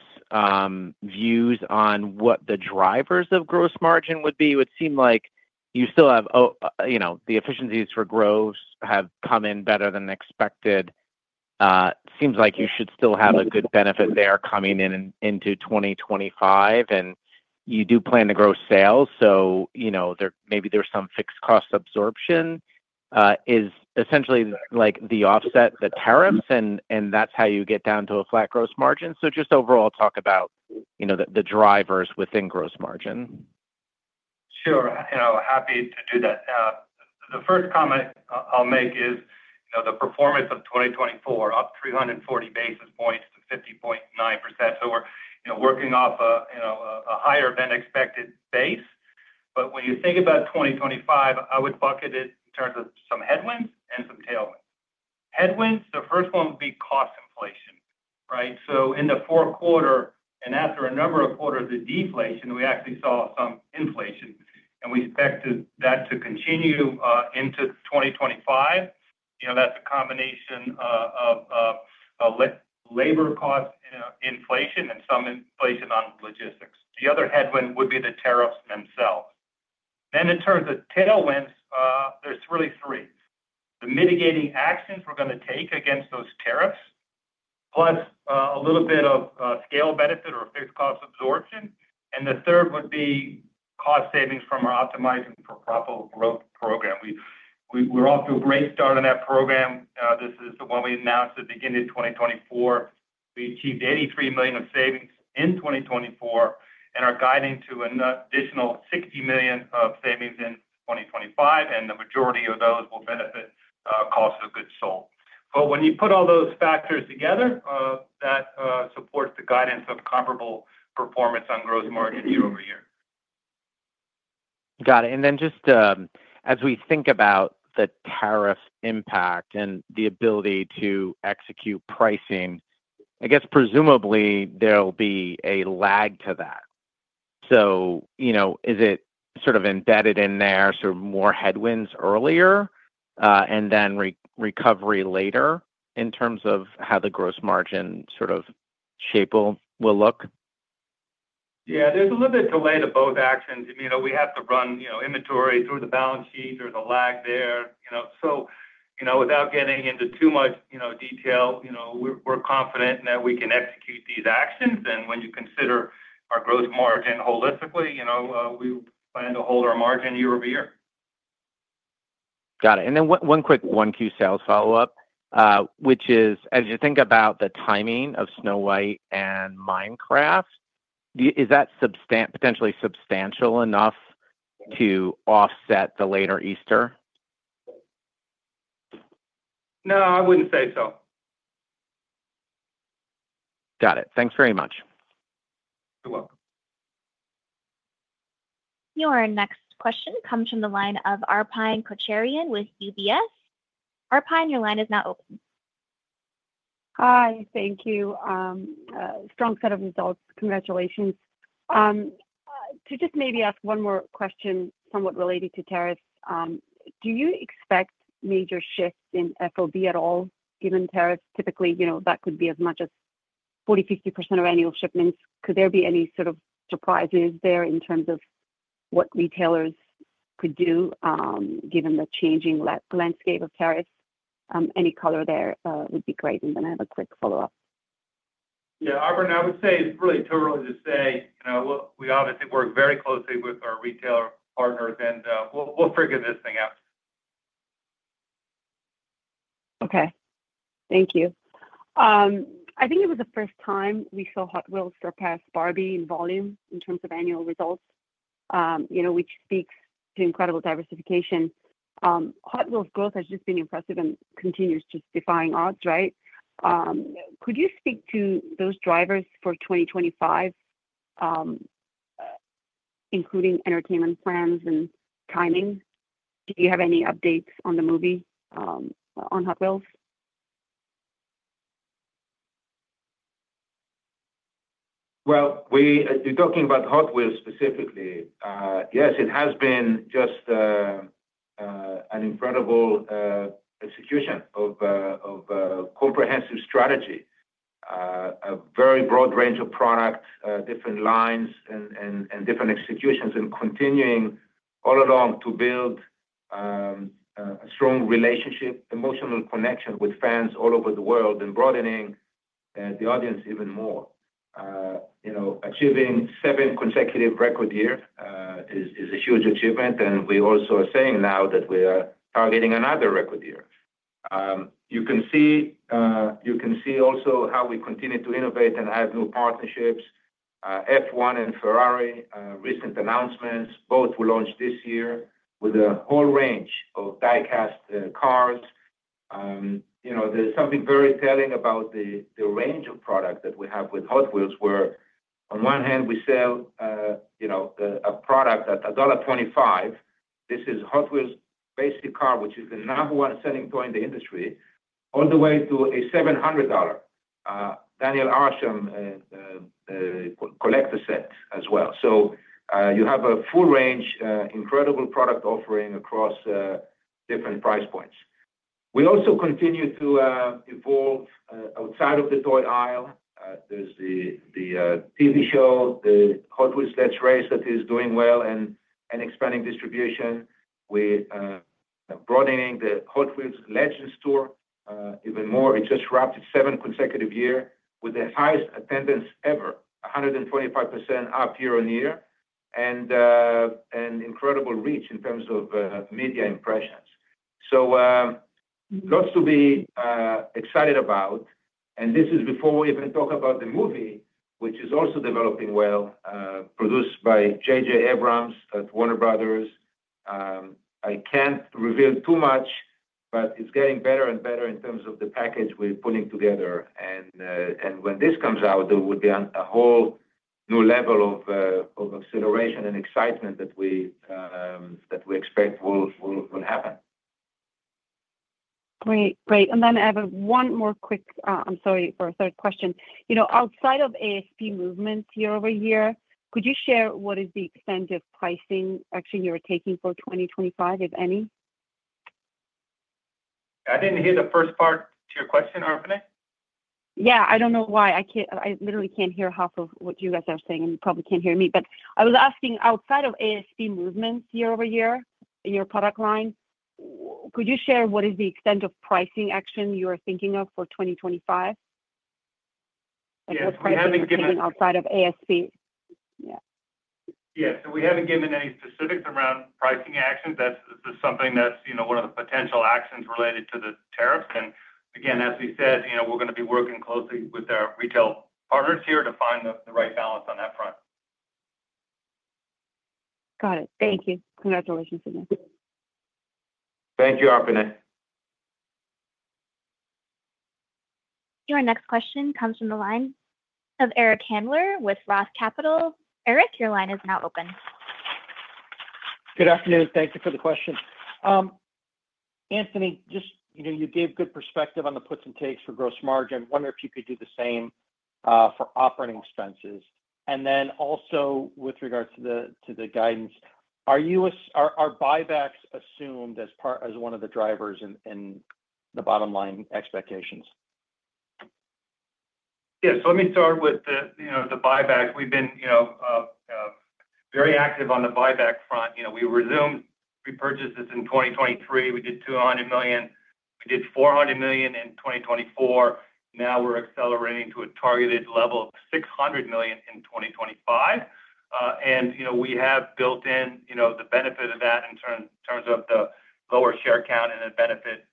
views on what the drivers of gross margin would be? It would seem like you still have the efficiencies for growth have come in better than expected. It seems like you should still have a good benefit there coming into 2025. And you do plan to grow sales, so maybe there's some fixed cost absorption. Is essentially the offset the tariffs, and that's how you get down to a flat gross margin? So just overall, talk about the drivers within gross margin. Sure. Happy to do that. The first comment I'll make is the performance of 2024, up 340 basis points to 50.9%. So we're working off a higher-than-expected base, but when you think about 2025, I would bucket it in terms of some headwinds and some tailwinds. Headwinds, the first one would be cost inflation, right, so in the fourth quarter and after a number of quarters of deflation, we actually saw some inflation, and we expect that to continue into 2025. That's a combination of labor cost inflation and some inflation on logistics. The other headwind would be the tariffs themselves. Then in terms of tailwinds, there's really three. The mitigating actions we're going to take against those tariffs, plus a little bit of scale benefit or fixed cost absorption, and the third would be cost savings from our Optimizing for Profitable Growth program. We're off to a great start on that program. This is the one we announced at the beginning of 2024. We achieved $83 million of savings in 2024 and are guiding to an additional $60 million of savings in 2025, and the majority of those will benefit cost of goods sold. But when you put all those factors together, that supports the guidance of comparable performance on gross margin year over year. Got it, and then just as we think about the tariff impact and the ability to execute pricing, I guess presumably there'll be a lag to that. So is it sort of embedded in there, sort of more headwinds earlier and then recovery later in terms of how the gross margin sort of shape will look? Yeah. There's a little bit of delay to both actions. We have to run inventory through the balance sheet. There's a lag there. So without getting into too much detail, we're confident that we can execute these actions. And when you consider our gross margin holistically, we plan to hold our margin year over year. Got it. And then one quick one Q sales follow-up, which is, as you think about the timing of Snow White and Minecraft, is that potentially substantial enough to offset the later Easter? No, I wouldn't say so. Got it. Thanks very much. You're welcome. Your next question comes from the line of Arpine Kocharian with UBS. Arpine, your line is now open. Hi. Thank you. Strong set of results. Congratulations. To just maybe ask one more question somewhat related to tariffs, do you expect major shifts in FOB at all? Given tariffs, typically that could be as much as 40%-50% of annual shipments. Could there be any sort of surprises there in terms of what retailers could do given the changing landscape of tariffs? Any color there would be great. And then I have a quick follow-up. Yeah. Arpine, I would say it's really too early to say. We obviously work very closely with our retailer partners, and we'll figure this thing out. Okay. Thank you. I think it was the first time we saw Hot Wheels surpass Barbie in volume in terms of annual results, which speaks to incredible diversification. Hot Wheels' growth has just been impressive and continues to defying odds, right? Could you speak to those drivers for 2025, including entertainment plans and timing? Do you have any updates on the movie on Hot Wheels? Well, if you're talking about Hot Wheels specifically, yes, it has been just an incredible execution of a comprehensive strategy, a very broad range of products, different lines, and different executions, and continuing all along to build a strong relationship, emotional connection with fans all over the world and broadening the audience even more. Achieving seven consecutive record years is a huge achievement. And we also are saying now that we are targeting another record year. You can see also how we continue to innovate and have new partnerships. F1 and Ferrari, recent announcements, both were launched this year with a whole range of die-cast cars. There's something very telling about the range of product that we have with Hot Wheels, where on one hand, we sell a product at $1.25. This is Hot Wheels' basic car, which is the number one selling toy in the industry, all the way to a $700 Daniel Arsham collector set as well. So you have a full range, incredible product offering across different price points. We also continue to evolve outside of the toy aisle. There's the TV show, the Hot Wheels Let's Race that is doing well and expanding distribution. We are broadening the Hot Wheels Legends Tour even more. It just wrapped its seventh consecutive year with the highest attendance ever, 125% up year on year, and incredible reach in terms of media impressions. So lots to be excited about. And this is before we even talk about the movie, which is also developing well, produced by J.J. Abrams at Warner Brothers. I can't reveal too much, but it's getting better and better in terms of the package we're putting together. And when this comes out, there will be a whole new level of acceleration and excitement that we expect will happen. Great. Great. And then I have one more quick-I'm sorry for a third question. Outside of ASP movements year over year, could you share what is the extent of pricing action you're taking for 2025, if any? I didn't hear the first part to your question, Arpine. Yeah. I don't know why. I literally can't hear half of what you guys are saying, and you probably can't hear me. But I was asking outside of ASP movements year over year in your product line, could you share what is the extent of pricing action you are thinking of for 2025? Like what price action you're thinking outside of ASP? Yeah. Yeah. So we haven't given any specifics around pricing actions. This is something that's one of the potential actions related to the tariffs. And again, as we said, we're going to be working closely with our retail partners here to find the right balance on that front. Got it. Thank you. Congratulations again. Thank you, Arpine. Your next question comes from the line of Eric Handler with Roth Capital. Eric, your line is now open. Good afternoon. Thank you for the question. Anthony, just you gave good perspective on the puts and takes for gross margin. I wonder if you could do the same for operating expenses. And then also with regards to the guidance, are buybacks assumed as one of the drivers in the bottom-line expectations? Yes. So let me start with the buybacks. We've been very active on the buyback front. We resumed repurchases in 2023. We did $200 million. We did $400 million in 2024. Now we're accelerating to a targeted level of $600 million in 2025. And we have built in the benefit of that in terms of the lower share count and the benefit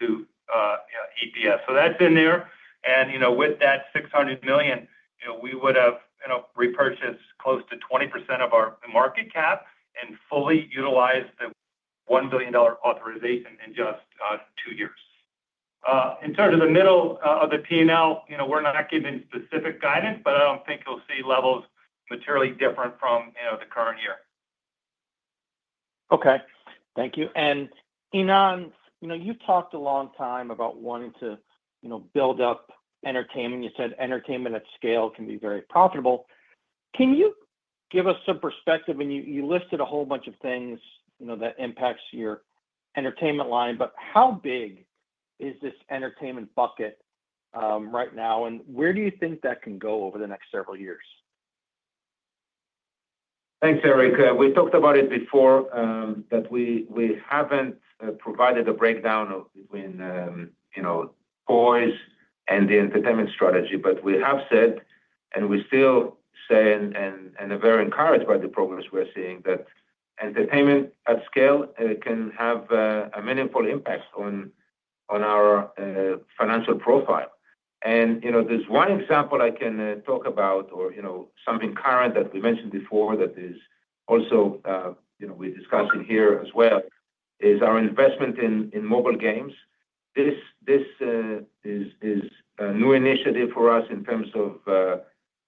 to EPS. So that's in there. And with that $600 million, we would have repurchased close to 20% of our market cap and fully utilized the $1 billion authorization in just two years. In terms of the middle of the P&L, we're not giving specific guidance, but I don't think you'll see levels materially different from the current year. Okay. Thank you. And Ynon, you talked a long time about wanting to build up entertainment. You said entertainment at scale can be very profitable. Can you give us some perspective? You listed a whole bunch of things that impact your entertainment line, but how big is this entertainment bucket right now? And where do you think that can go over the next several years? Thanks, Eric. We talked about it before that we haven't provided a breakdown between toys and the entertainment strategy, but we have said, and we still say, and are very encouraged by the progress we're seeing, that entertainment at scale can have a meaningful impact on our financial profile. And there's one example I can talk about or something current that we mentioned before that is also we're discussing here as well is our investment in mobile games. This is a new initiative for us in terms of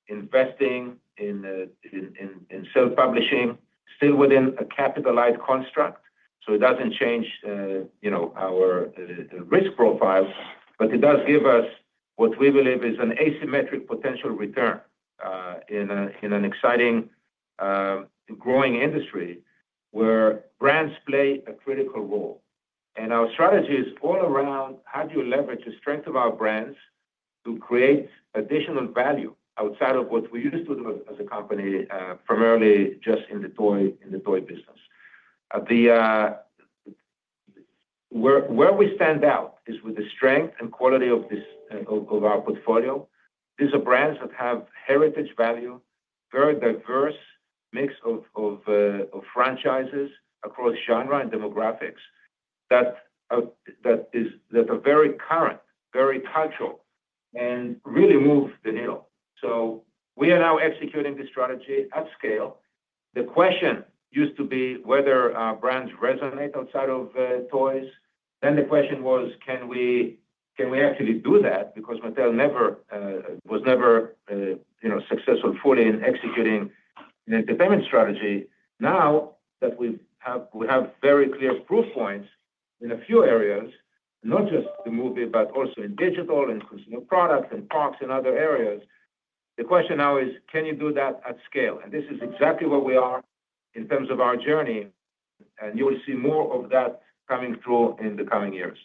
investing in self-publishing, still within a capitalized construct. So it doesn't change our risk profile, but it does give us what we believe is an asymmetric potential return in an exciting growing industry where brands play a critical role. And our strategy is all around how do you leverage the strength of our brands to create additional value outside of what we used to do as a company, primarily just in the toy business. Where we stand out is with the strength and quality of our portfolio. These are brands that have heritage value, very diverse mix of franchises across genre and demographics that are very current, very cultural, and really move the needle. So we are now executing this strategy at scale. The question used to be whether brands resonate outside of toys. Then the question was, can we actually do that? Because Mattel was never successful fully in executing an entertainment strategy. Now that we have very clear proof points in a few areas, not just the movie, but also in digital and consumer products and products in other areas, the question now is, can you do that at scale? And this is exactly where we are in terms of our journey. And you will see more of that coming through in the coming years.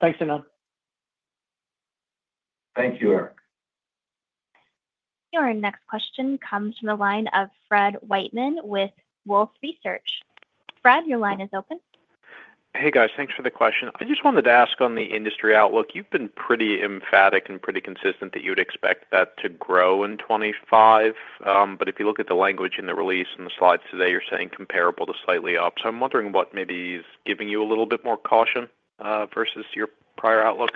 Thanks, Ynon. Thank you, Eric. Your next question comes from the line of Fred Wightman with Wolfe Research. Fred, your line is open. Hey, guys. Thanks for the question. I just wanted to ask on the industry outlook. You've been pretty emphatic and pretty consistent that you would expect that to grow in 2025. But if you look at the language in the release and the slides today, you're saying comparable to slightly up. So I'm wondering what maybe is giving you a little bit more caution versus your prior outlook?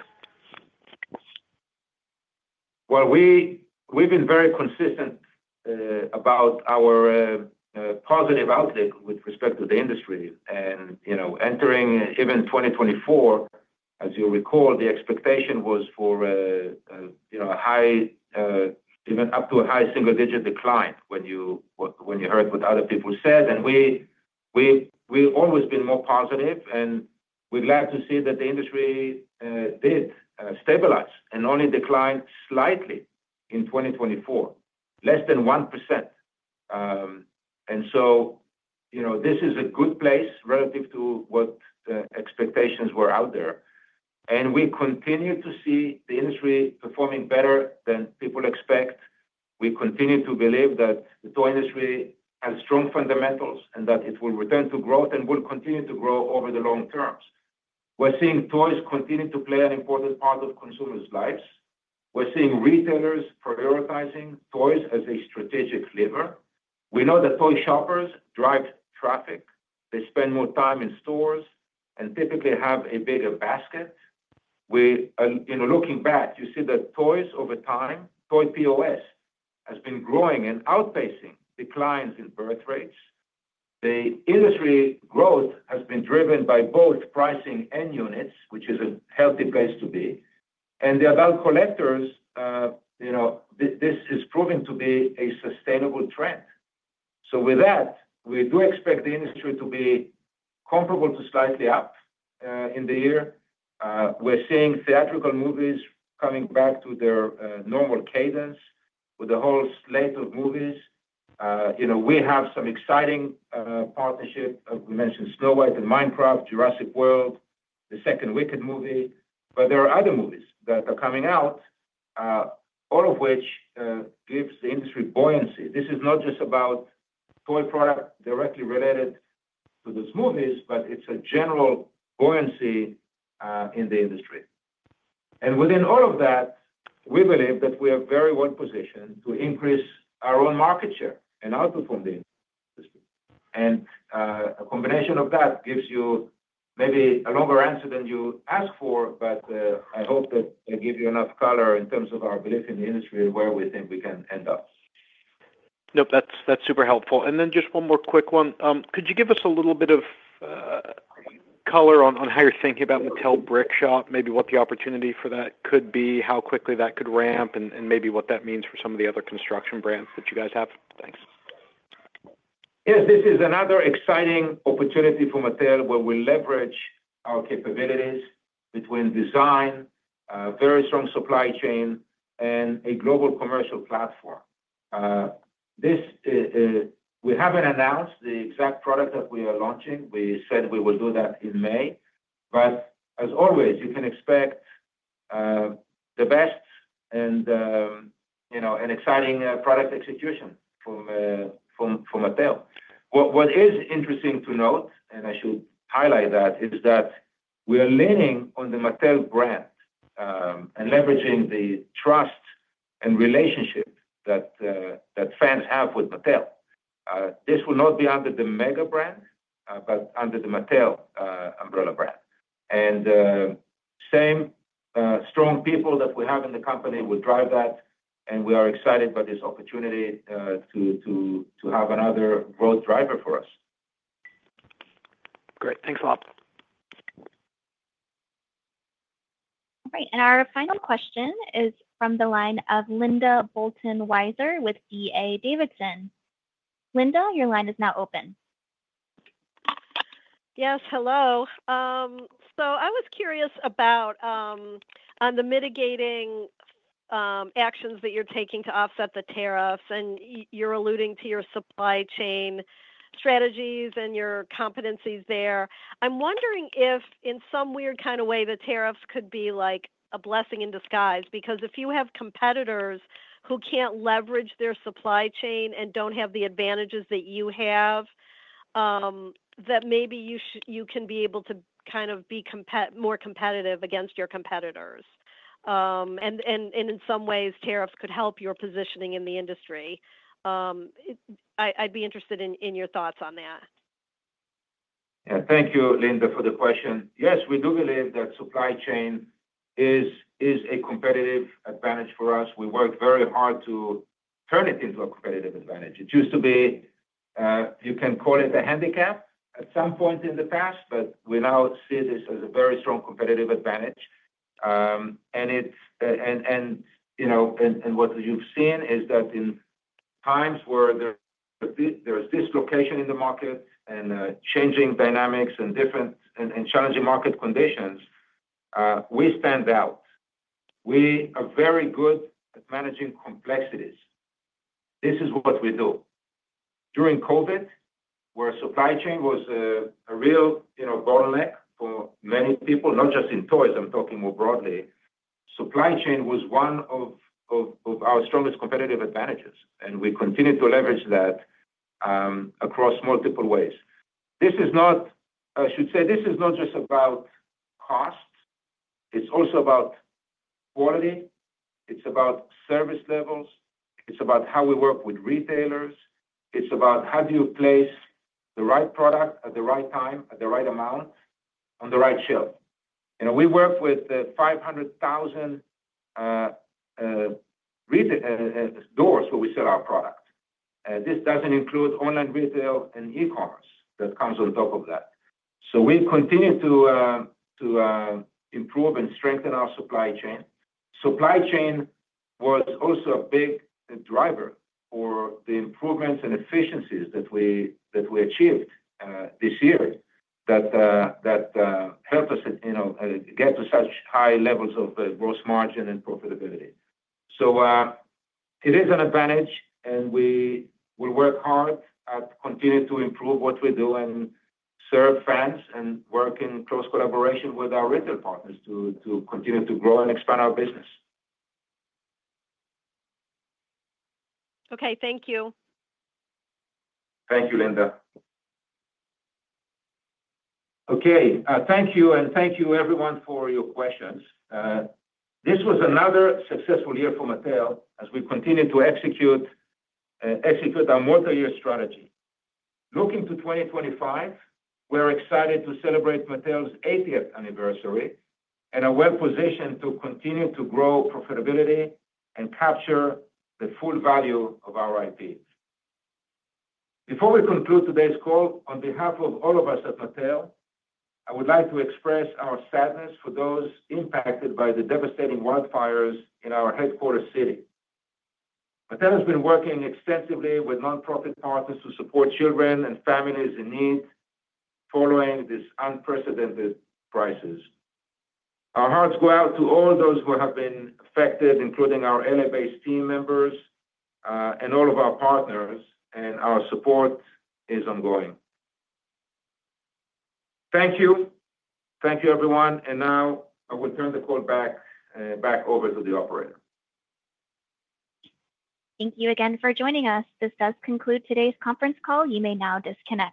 Well, we've been very consistent about our positive outlook with respect to the industry. And entering even 2024, as you recall, the expectation was for a high, even up to a high single-digit decline when you heard what other people said. And we've always been more positive, and we're glad to see that the industry did stabilize and only declined slightly in 2024, less than 1%. And so this is a good place relative to what expectations were out there. And we continue to see the industry performing better than people expect. We continue to believe that the toy industry has strong fundamentals and that it will return to growth and will continue to grow over the long term. We're seeing toys continue to play an important part of consumers' lives. We're seeing retailers prioritizing toys as a strategic lever. We know that toy shoppers drive traffic. They spend more time in stores and typically have a bigger basket. Looking back, you see that toys over time, toy POS has been growing and outpacing declines in birth rates. The industry growth has been driven by both pricing and units, which is a healthy place to be. And the adult collectors, this is proving to be a sustainable trend. So with that, we do expect the industry to be comparable to slightly up in the year. We're seeing theatrical movies coming back to their normal cadence with the whole slate of movies. We have some exciting partnership. We mentioned Snow White and Minecraft, Jurassic World, the second Wicked movie. But there are other movies that are coming out, all of which gives the industry buoyancy. This is not just about toy products directly related to those movies, but it's a general buoyancy in the industry, and within all of that, we believe that we are very well positioned to increase our own market share and outperform the industry, and a combination of that gives you maybe a longer answer than you ask for, but I hope that I give you enough color in terms of our belief in the industry and where we think we can end up. Nope. That's super helpful, and then just one more quick one. Could you give us a little bit of color on how you're thinking about Mattel Brickshop, maybe what the opportunity for that could be, how quickly that could ramp, and maybe what that means for some of the other construction brands that you guys have? Thanks. Yes. This is another exciting opportunity for Mattel where we leverage our capabilities between design, very strong supply chain, and a global commercial platform. We haven't announced the exact product that we are launching. We said we will do that in May. But as always, you can expect the best and an exciting product execution from Mattel. What is interesting to note, and I should highlight that, is that we are leaning on the Mattel brand and leveraging the trust and relationship that fans have with Mattel. This will not be under the Mega brand, but under the Mattel umbrella brand. And same strong people that we have in the company will drive that. And we are excited by this opportunity to have another growth driver for us. Great. Thanks a lot. All right. And our final question is from the line of Linda Bolton Weiser with D.A. Davidson. Linda, your line is now open. Yes. Hello. So I was curious about the mitigating actions that you're taking to offset the tariffs. And you're alluding to your supply chain strategies and your competencies there. I'm wondering if in some weird kind of way, the tariffs could be like a blessing in disguise. Because if you have competitors who can't leverage their supply chain and don't have the advantages that you have, that maybe you can be able to kind of be more competitive against your competitors. And in some ways, tariffs could help your positioning in the industry. I'd be interested in your thoughts on that. Yeah. Thank you, Linda, for the question. Yes, we do believe that supply chain is a competitive advantage for us. We work very hard to turn it into a competitive advantage. It used to be you can call it a handicap at some point in the past, but we now see this as a very strong competitive advantage. And what you've seen is that in times where there's dislocation in the market and changing dynamics and challenging market conditions, we stand out. We are very good at managing complexities. This is what we do. During COVID, where supply chain was a real bottleneck for many people, not just in toys, I'm talking more broadly, supply chain was one of our strongest competitive advantages. And we continue to leverage that across multiple ways. I should say this is not just about cost. It's also about quality. It's about service levels. It's about how we work with retailers. It's about how do you place the right product at the right time, at the right amount, on the right shelf. We work with 500,000 doors where we sell our product. This doesn't include online retail and e-commerce that comes on top of that. So we continue to improve and strengthen our supply chain. Supply chain was also a big driver for the improvements and efficiencies that we achieved this year that helped us get to such high levels of gross margin and profitability. So it is an advantage, and we will work hard at continuing to improve what we do and serve fans and work in close collaboration with our retail partners to continue to grow and expand our business. Okay. Thank you. Thank you, Linda. Okay. Thank you. And thank you, everyone, for your questions. This was another successful year for Mattel as we continue to execute our multi-year strategy. Looking to 2025, we're excited to celebrate Mattel's 80th anniversary and are well positioned to continue to grow profitability and capture the full value of our IP. Before we conclude today's call, on behalf of all of us at Mattel, I would like to express our sadness for those impacted by the devastating wildfires in our headquarters city. Mattel has been working extensively with nonprofit partners to support children and families in need following these unprecedented crises. Our hearts go out to all those who have been affected, including our L.A.-based team members and all of our partners, and our support is ongoing. Thank you. Thank you, everyone, and now I will turn the call back over to the operator. Thank you again for joining us. This does conclude today's conference call. You may now disconnect.